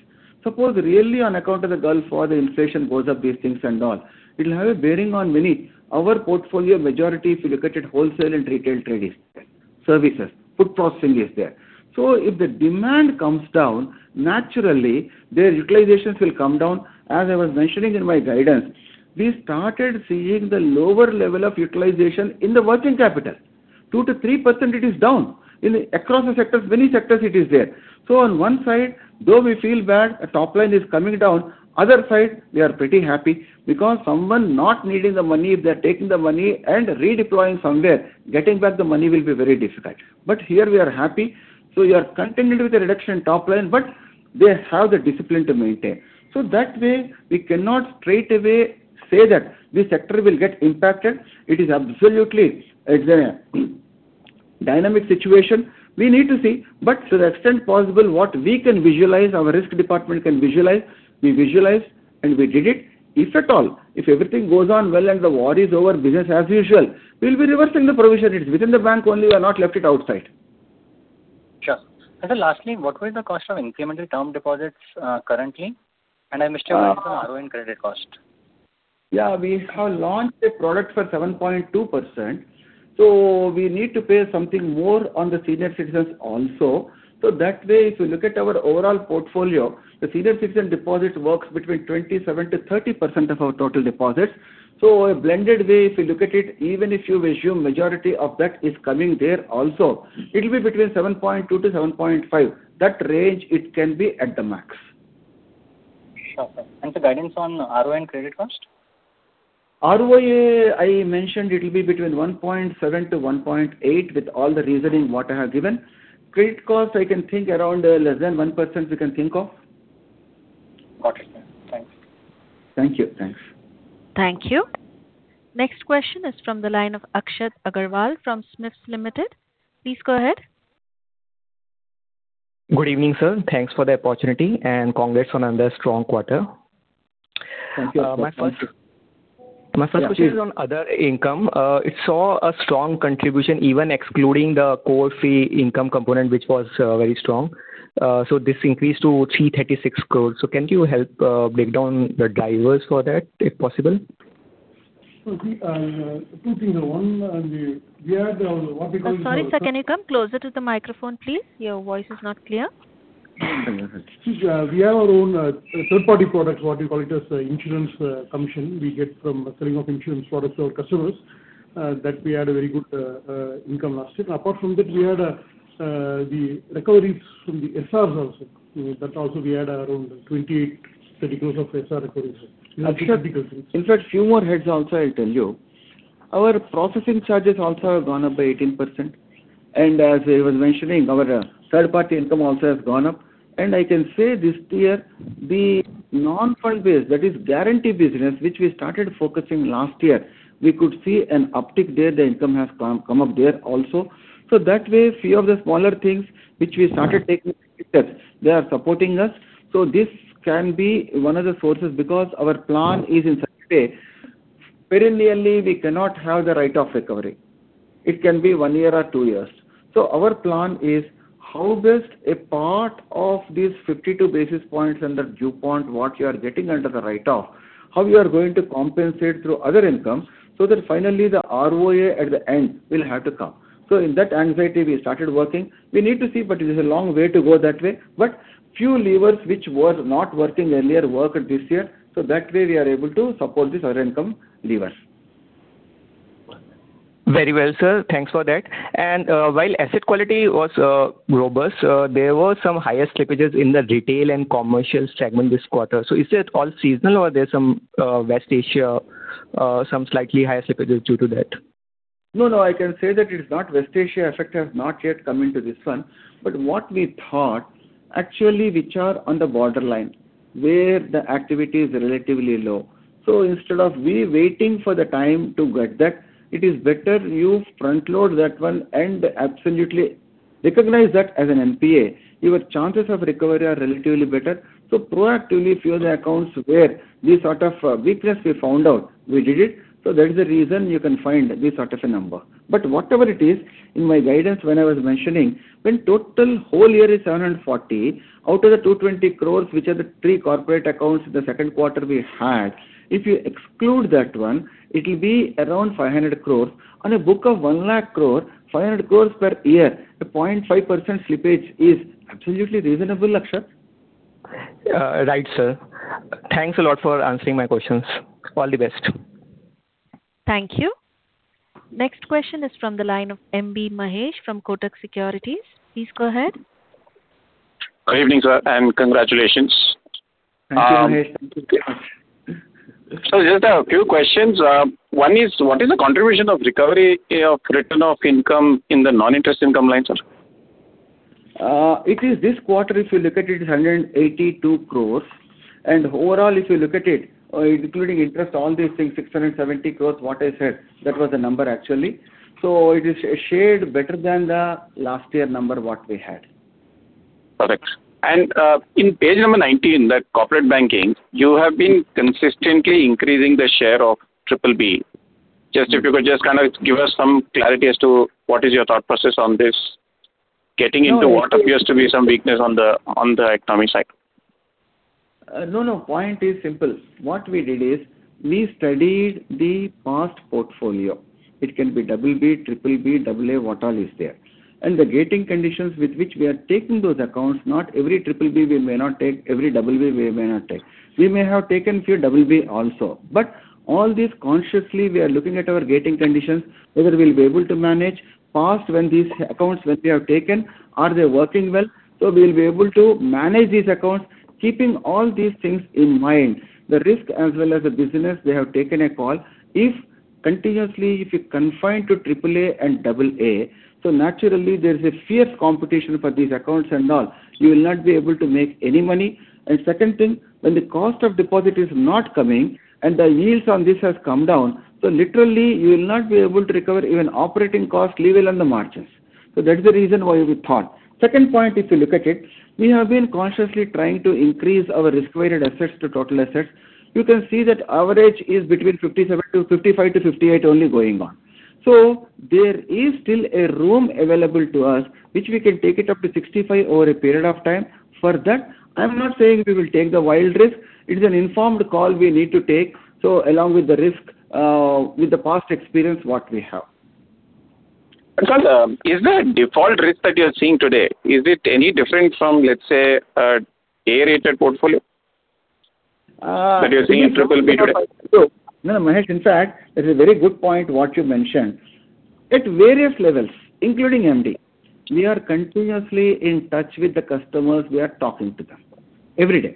Suppose really on account of the Gulf War, the inflation goes up, these things and all, it will have a bearing on many. Our portfolio majority, if you look at it, wholesale and retail trade is there, services, food processing is there. If the demand comes down, naturally their utilizations will come down. As I was mentioning in my guidance, we started seeing the lower level of utilization in the working capital. 2%-3% it is down. Across the sectors, many sectors it is there. On one side, though we feel bad a top line is coming down, other side we are pretty happy because someone not needing the money, if they are taking the money and redeploying somewhere, getting back the money will be very difficult. Here we are happy. We are continued with the reduction top line, but they have the discipline to maintain. That way, we cannot straightaway say that this sector will get impacted. It is absolutely, it's a dynamic situation. We need to see. To the extent possible, what we can visualize, our risk department can visualize, we visualize, and we did it. If at all, if everything goes on well and the war is over, business as usual, we'll be reversing the provision. It's within the bank only. We have not left it outside. Sure. Lastly, what was the cost of incremental term deposits currently? I missed your ROE and credit cost. Yeah, we have launched a product for 7.2%, we need to pay something more on the senior citizens also. That way, if you look at our overall portfolio, the senior citizen deposit works between 27%-30% of our total deposits. A blended way, if you look at it, even if you assume majority of that is coming there also, it'll be between 7.2%-7.5%. That range it can be at the max. Sure, sir. The guidance on ROA and credit cost? ROA, I mentioned it'll be between 1.7-1.8 with all the reasoning what I have given. Credit cost, I can think around less than 1% we can think of. Got it, sir. Thanks. Thank you. Thanks. Thank you. Next question is from the line of Akshat Agrawal from SMIFS Limited. Please go ahead. Good evening, sir. Thanks for the opportunity. Congrats on another strong quarter. Thank you, Akshat. My first question is on other income. It saw a strong contribution even excluding the core fee income component, which was very strong. This increased to 336 crores. Can you help break down the drivers for that if possible? The two things. One, we had. I'm sorry, sir. Can you come closer to the microphone, please? Your voice is not clear. See, we have our own third-party products, what we call it as insurance commission we get from selling of insurance products to our customers. That we had a very good income last year. Apart from that, we had the recoveries from the SRs also. That also we had around 28-30 crores of SR recoveries. In fact, few more heads also I will tell you. Our processing charges also have gone up by 18%. As I was mentioning, our third-party income also has gone up. I can say this year the non-fund-based, that is guarantee business which we started focusing last year, we could see an uptick there. The income has come up there also. That way, few of the smaller things which we started taking they are supporting us. This can be one of the sources because our plan is in such a way perennially we cannot have the write-off recovery. It can be one year or two years. Our plan is how best a part of these 52 basis points and the due point what you are getting under the write-off, how you are going to compensate through other income so that finally the ROA at the end will have to come. In that anxiety we started working. We need to see, but it is a long way to go that way. Few levers which was not working earlier work this year, so that way we are able to support this other income levers. Very well, sir. Thanks for that. While asset quality was robust, there were some higher slippages in the retail and commercial segment this quarter. Is it all seasonal or there's some West Asia, some slightly higher slippages due to that? No, I can say that it is not West Asia effect has not yet come into this one. What we thought actually which are on the borderline where the activity is relatively low, instead of we waiting for the time to get that, it is better you front load that one and absolutely recognize that as an NPA your chances of recovery are relatively better. Proactively few of the accounts where these sort of weakness we found out, we did it. That is the reason you can find this sort of a number. Whatever it is, in my guidance when I was mentioning when total whole year is 740, out of the 220 crores, which are the three corporate accounts the second quarter we had, if you exclude that one, it'll be around 500 crores. On a book of 1 lakh crore, 500 crores per year, a 0.5% slippage is absolutely reasonable, Akshat. Right, sir. Thanks a lot for answering my questions. All the best. Thank you. Next question is from the line of M B Mahesh from Kotak Securities. Please go ahead. Good evening, sir, and congratulations. Thank you, Mahesh. Just a few questions. One is, what is the contribution of recovery of return of income in the non-interest income line, sir? It is this quarter if you look at it is 182 crores. Overall, if you look at it, including interest, all these things, 670 crores what I said, that was the number actually. It is shared better than the last year number what we had. Perfect. In page number 19, the corporate banking, you have been consistently increasing the share of triple B. If you could give us some clarity as to what is your thought process on this, getting into what appears to be some weakness on the economic cycle. No, no. Point is simple. What we did is we studied the past portfolio. It can be double B, triple B, double A, what all is there. The gating conditions with which we are taking those accounts, not every triple B we may not take, every double B we may not take. We may have taken few double B also. All this consciously we are looking at our gating conditions, whether we'll be able to manage past when these accounts which we have taken, are they working well? We'll be able to manage these accounts keeping all these things in mind. The risk as well as the business, they have taken a call. Continuously if you confine to triple A and double A, naturally there is a fierce competition for these accounts and all. You will not be able to make any money. Second thing, when the cost of deposit is not coming and the yields on this has come down, literally you will not be able to recover even operating cost, leave alone the margins. That's the reason why we thought. Second point, if you look at it, we have been consciously trying to increase our risk-weighted assets to total assets. You can see that average is between 57 to 55 to 58 only going on. There is still a room available to us, which we can take it up to 65 over a period of time. For that, I'm not saying we will take the wild risk. It is an informed call we need to take. Along with the risk, with the past experience what we have. Sir, is the default risk that you're seeing today, is it any different from, let's say, A-rated portfolio? Uh- That you're seeing in BBB default. No, no, M B Mahesh, in fact, it is a very good point what you mentioned. At various levels, including MD, we are continuously in touch with the customers. We are talking to them every day,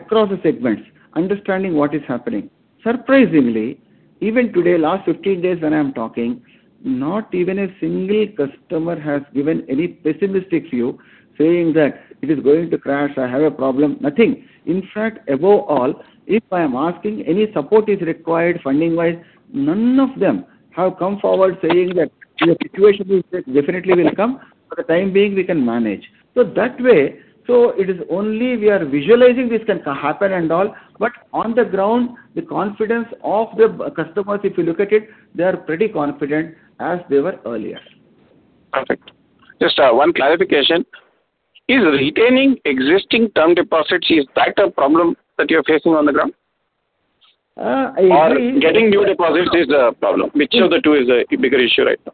across the segments, understanding what is happening. Surprisingly, even today, last 15 days when I'm talking, not even a single customer has given any pessimistic view saying that it is going to crash, I have a problem, nothing. In fact, above all, if I am asking any support is required funding-wise, none of them have come forward saying that your situation is Definitely will come. For the time being, we can manage. That way, it is only we are visualizing this can happen and all. On the ground, the confidence of the customers, if you look at it, they are pretty confident as they were earlier. Perfect. Just 1 clarification. Is retaining existing term deposits, is that a problem that you're facing on the ground? Uh, I agree- Getting new deposits is a problem. Which of the two is a bigger issue right now?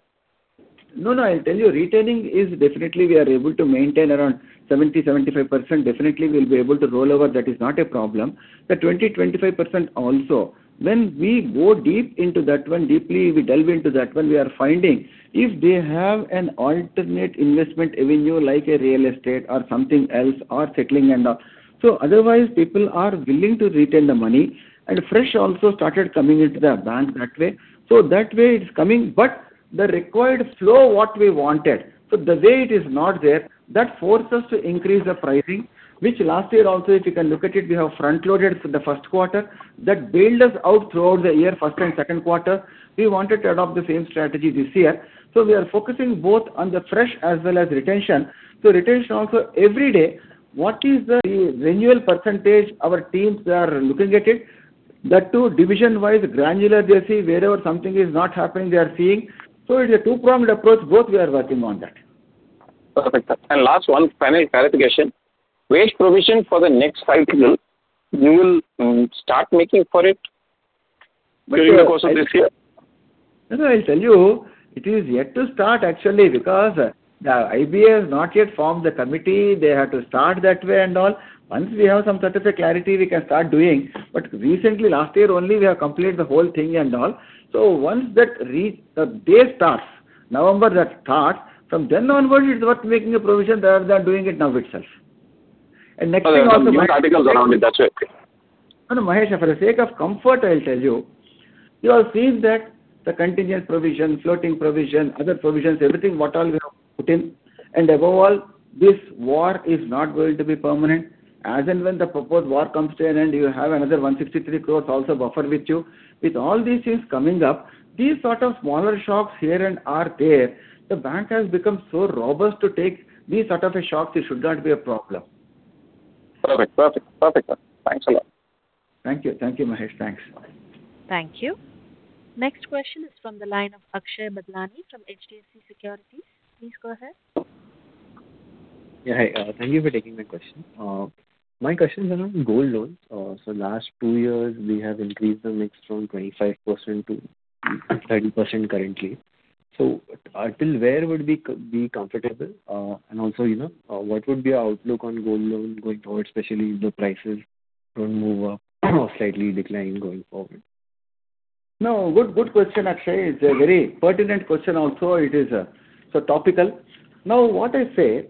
No, no, I'll tell you. Retaining is definitely we are able to maintain around 70%, 75%. Definitely, we'll be able to roll over. That is not a problem. The 20%, 25% also. When we go deep into that one, deeply we delve into that one, we are finding if they have an alternate investment avenue like a real estate or something else or settling and all. Otherwise, people are willing to retain the money and fresh also started coming into the bank that way. That way it's coming. The required flow what we wanted, so the way it is not there, that force us to increase the pricing, which last year also, if you can look at it, we have front-loaded the first quarter. That bailed us out throughout the year, first and second quarter. We wanted to adopt the same strategy this year. We are focusing both on the fresh as well as retention. Retention also every day, what is the renewal percentage our teams are looking at it. That too, division-wise, granular they see wherever something is not happening, they are seeing. It's a two-pronged approach, both we are working on that. Perfect, sir. Last one final clarification. Wage provision for the next five years, you will start making for it during the course of this year? No, no, I'll tell you, it is yet to start actually because the Indian Banks' Association has not yet formed the committee. They have to start that way and all. Once we have some sort of a clarity, we can start doing. Recently, last year only, we have completed the whole thing and all. Once that day starts, November that starts, from then onward, it's worth making a provision rather than doing it now itself. There are some new articles around it. That's why I think. No, no, Mahesh, for the sake of comfort, I'll tell you. You have seen that the contingent provision, floating provision, other provisions, everything what all we have put in. Above all, this war is not going to be permanent. As and when the proposed war comes to an end, you have another 163 crores also buffer with you. With all these things coming up, these sort of smaller shocks here and are there, the bank has become so robust to take these sort of a shocks, it should not be a problem. Perfect. Perfect. Perfect. Thanks a lot. Thank you. Thank you, Mahesh. Thanks. Thank you. Next question is from the line of Akshay Badlani from HDFC Securities. Please go ahead. Yeah, hi. Thank you for taking my question. My question is on gold loans. Last two years, we have increased the mix from 25% to 30% currently. Until where would we be comfortable? You know, what would be our outlook on gold loan going forward, especially if the prices don't move up or slightly decline going forward? Good question, Akshay. It's a very pertinent question also. It is so topical. What I say,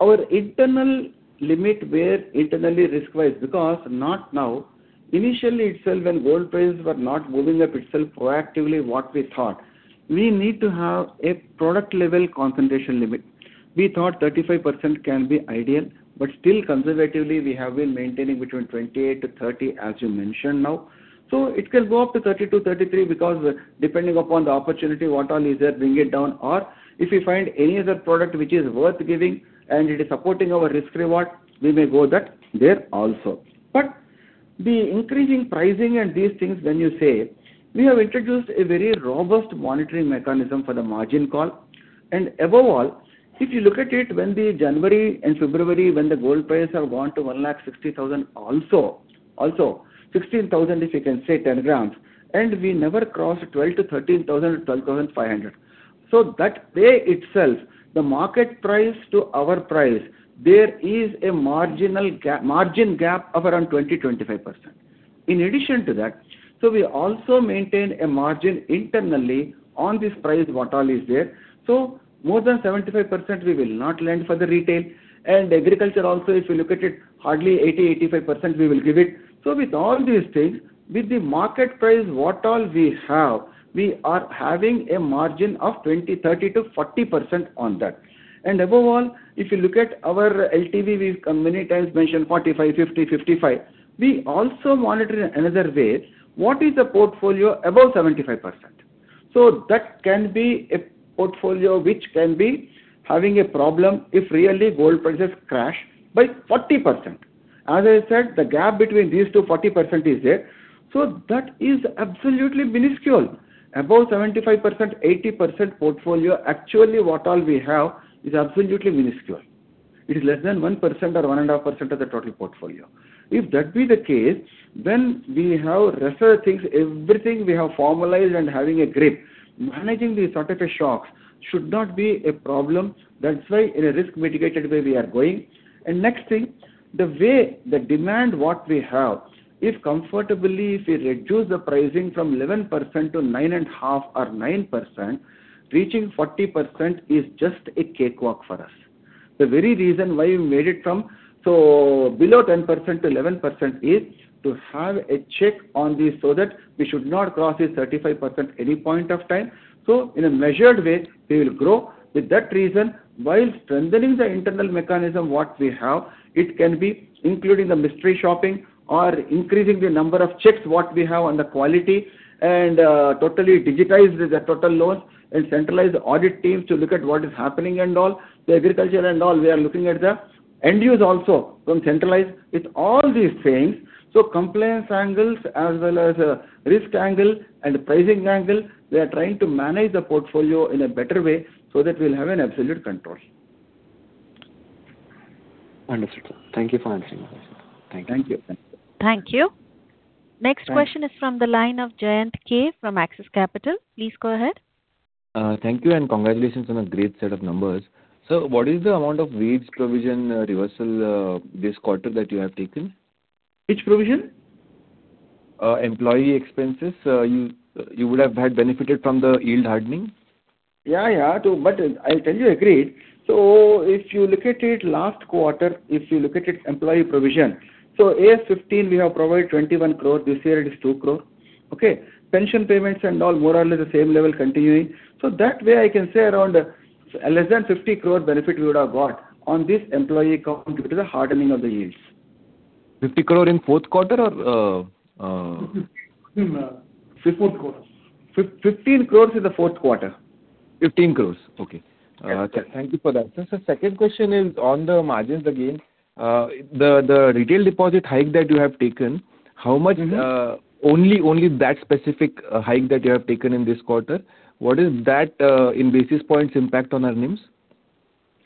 our internal limit where internally risk-wise, because not now, initially itself when gold prices were not moving up itself proactively what we thought, we need to have a product level concentration limit. We thought 35% can be ideal, still conservatively, we have been maintaining between 28%-30%, as you mentioned now. It can go up to 32%, 33% because depending upon the opportunity, what all is there, bring it down, or if we find any other product which is worth giving and it is supporting our risk reward, we may go that there also. The increasing pricing and these things when you say, we have introduced a very robust monitoring mechanism for the margin call. Above all, if you look at it when the January and February, when the gold prices have gone to 1.60 lakh also, 16,000, if you can say 10 g, we never crossed 12,000-13,000, 12,500. That way itself, the market price to our price, there is a marginal margin gap of around 20%-25%. In addition to that, we also maintain a margin internally on this price, what all is there. More than 75% we will not lend for the retail. Agriculture also, if you look at it, hardly 80%-85% we will give it. With all these things, with the market price, what all we have, we are having a margin of 20%-40% on that. Above all, if you look at our LTV, we've many times mentioned 45, 50, 55. We also monitor in another way what is the portfolio above 75%. That can be a portfolio which can be having a problem if really gold prices crash by 40%. As I said, the gap between these two, 40% is there. That is absolutely minuscule. Above 75%, 80% portfolio, actually what all we have is absolutely minuscule. It is less than 1% or 1.5% of the total portfolio. If that be the case, then we have rest of the things, everything we have formalized and having a grip. Managing these sort of a shocks should not be a problem. That's why in a risk mitigated way we are going. Next thing, the way the demand what we have, if comfortably if we reduce the pricing from 11% to 9.5% or 9%, reaching 40% is just a cakewalk for us. The very reason why we made it from so below 10% to 11% is to have a check on this so that we should not cross this 35% any point of time. In a measured way, we will grow. With that reason, while strengthening the internal mechanism, what we have, it can be including the mystery shopping or increasing the number of checks, what we have on the quality and totally digitized the total loans and centralize the audit teams to look at what is happening and all. The agriculture and all, we are looking at the end use also from centralize. With all these things, so compliance angles as well as risk angle and pricing angle, we are trying to manage the portfolio in a better way so that we'll have an absolute control. Understood, sir. Thank you for answering my question. Thank you. Thank you. Thank you. Next question is from the line of Jayant K from Axis Capital. Please go ahead. Thank you and congratulations on a great set of numbers. What is the amount of wage provision, reversal, this quarter that you have taken? Which provision? Employee expenses. You would have had benefited from the yield hardening. Yeah, yeah. I'll tell you agreed. If you look at it last quarter, if you look at it employee provision, AS 15 we have provided 21 crore. This year it is 2 crore. Okay. Pension payments and all more or less the same level continuing. That way I can say around less than 50 crore benefit we would have got on this employee account due to the hardening of the yields. 50 crore in fourth quarter or? In the fourth quarter. 15 crores in the fourth quarter. 15 crores, okay. Yes. Thank you for that. Second question is on the margins again. The retail deposit hike that you have taken, how much, only that specific hike that you have taken in this quarter, what is that, in basis points impact on our NIMs?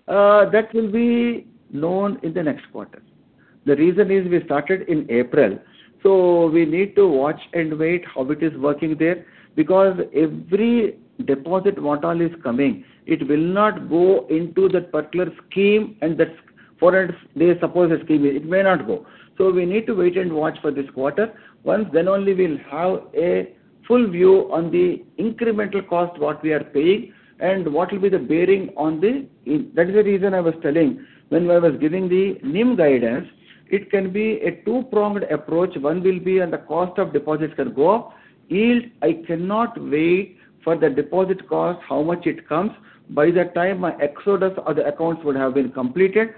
That will be known in the next quarter. The reason is we started in April, so we need to watch and wait how it is working there because every deposit what all is coming, it will not go into that particular scheme and that for a day, suppose a scheme, it may not go. We need to wait and watch for this quarter once then only we'll have a full view on the incremental cost, what we are paying and what will be the bearing on the yield. That is the reason I was telling when I was giving the NIM guidance, it can be a two-pronged approach. One will be on the cost of deposits can go up. Yield, I cannot wait for the deposit cost, how much it comes. By that time my exodus or the accounts would have been completed.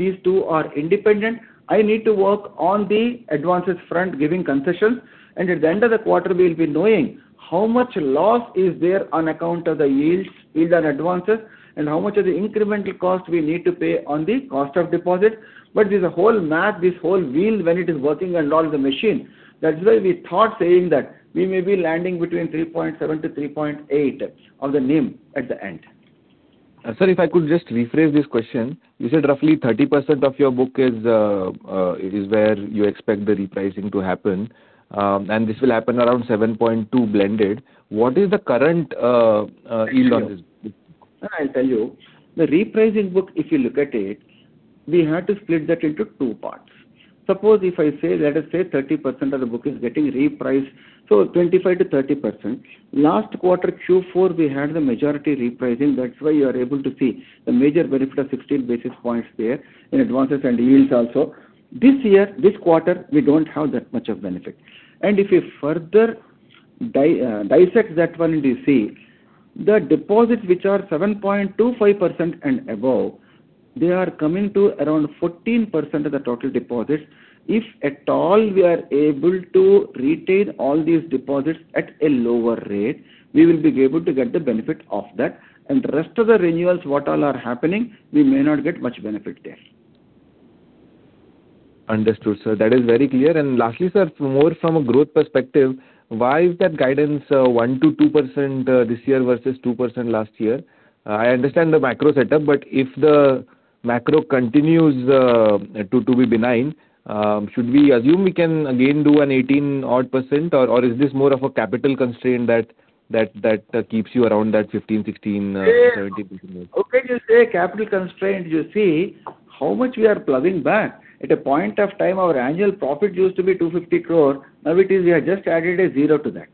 These two are independent. I need to work on the advances front giving concessions, at the end of the quarter we'll be knowing how much loss is there on account of the yields and advances, and how much of the incremental cost we need to pay on the cost of deposit. This whole math, this whole wheel when it is working and all the machine, that's why we thought saying that we may be landing between 3.7%-3.8% on the NIM at the end. Sir, if I could just rephrase this question. You said roughly 30% of your book is, it is where you expect the repricing to happen, and this will happen around 7.2 blended. What is the current yield on this? Sir, I'll tell you. The repricing book, if you look at it, we had to split that into two parts. Suppose if I say, let us say 30% of the book is getting repriced, so 25%-30%. Last quarter, Q4 we had the majority repricing, that's why you are able to see the major benefit of 15 basis points there in advances and yields also. This year, this quarter, we don't have that much of benefit. If you further dissect that one and you see, the deposits which are 7.25% and above, they are coming to around 14% of the total deposits. If at all we are able to retain all these deposits at a lower rate, we will be able to get the benefit of that. Rest of the renewals, what all are happening, we may not get much benefit there. Understood, sir. That is very clear. Lastly, sir, more from a growth perspective, why is that guidance, 1%-2% this year versus 2% last year? I understand the macro setup. If the macro continues to be benign, should we assume we can again do an 18% odd or is this more of a capital constraint that keeps you around that 15%, 16%, 17% range? To say capital constraint, you see how much we are plugging back. At a point of time, our annual profit used to be 250 crore. It is we have just added a zero to that.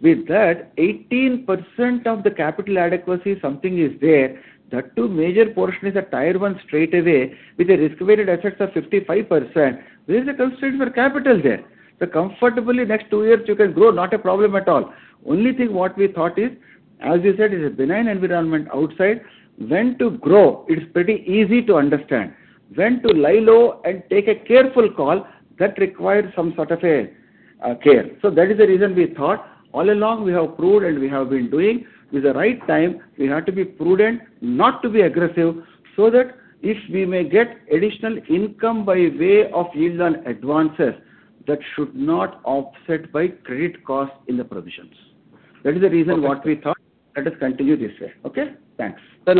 With that, 18% of the capital adequacy something is there. That too major portion is at tier one straightaway with a risk-weighted assets of 55%. Where is the constraint for capital there? Comfortably next two years you can grow, not a problem at all. Only thing what we thought is, as you said, it's a benign environment outside. When to grow, it's pretty easy to understand. When to lie low and take a careful call, that requires some sort of a care. That is the reason we thought all along we have proved and we have been doing. With the right time, we have to be prudent, not to be aggressive, so that if we may get additional income by way of yields and advances, that should not offset by credit cost in the provisions. That is the reason what we thought. Let us continue this way. Okay? Thanks. Sir, one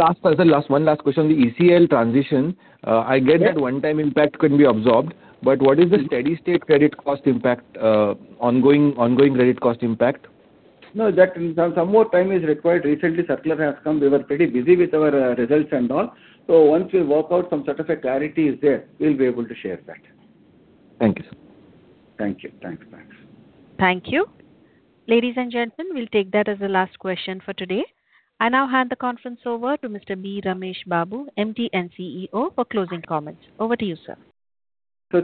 last question. The ECL transition, I get that one time impact can be absorbed, but what is the steady state credit cost impact, ongoing credit cost impact? No, that some more time is required. Recently circular has come. We were pretty busy with our results and all. Once we work out, some sort of a clarity is there, we'll be able to share that. Thank you, sir. Thank you. Thanks. Thanks. Thank you. Ladies and gentlemen, we'll take that as the last question for today. I now hand the conference over to Mr. B. Ramesh Babu, MD and CEO, for closing comments. Over to you, sir.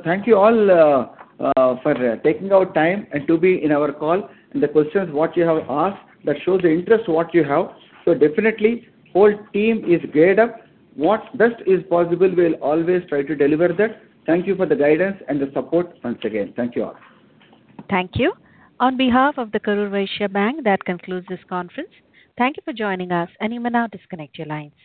Thank you all for taking out time and to be in our call. The questions what you have asked, that shows the interest what you have. Definitely whole team is geared up. What best is possible, we'll always try to deliver that. Thank you for the guidance and the support once again. Thank you all. Thank you. On behalf of Karur Vysya Bank, that concludes this conference. Thank you for joining us, and you may now disconnect your lines.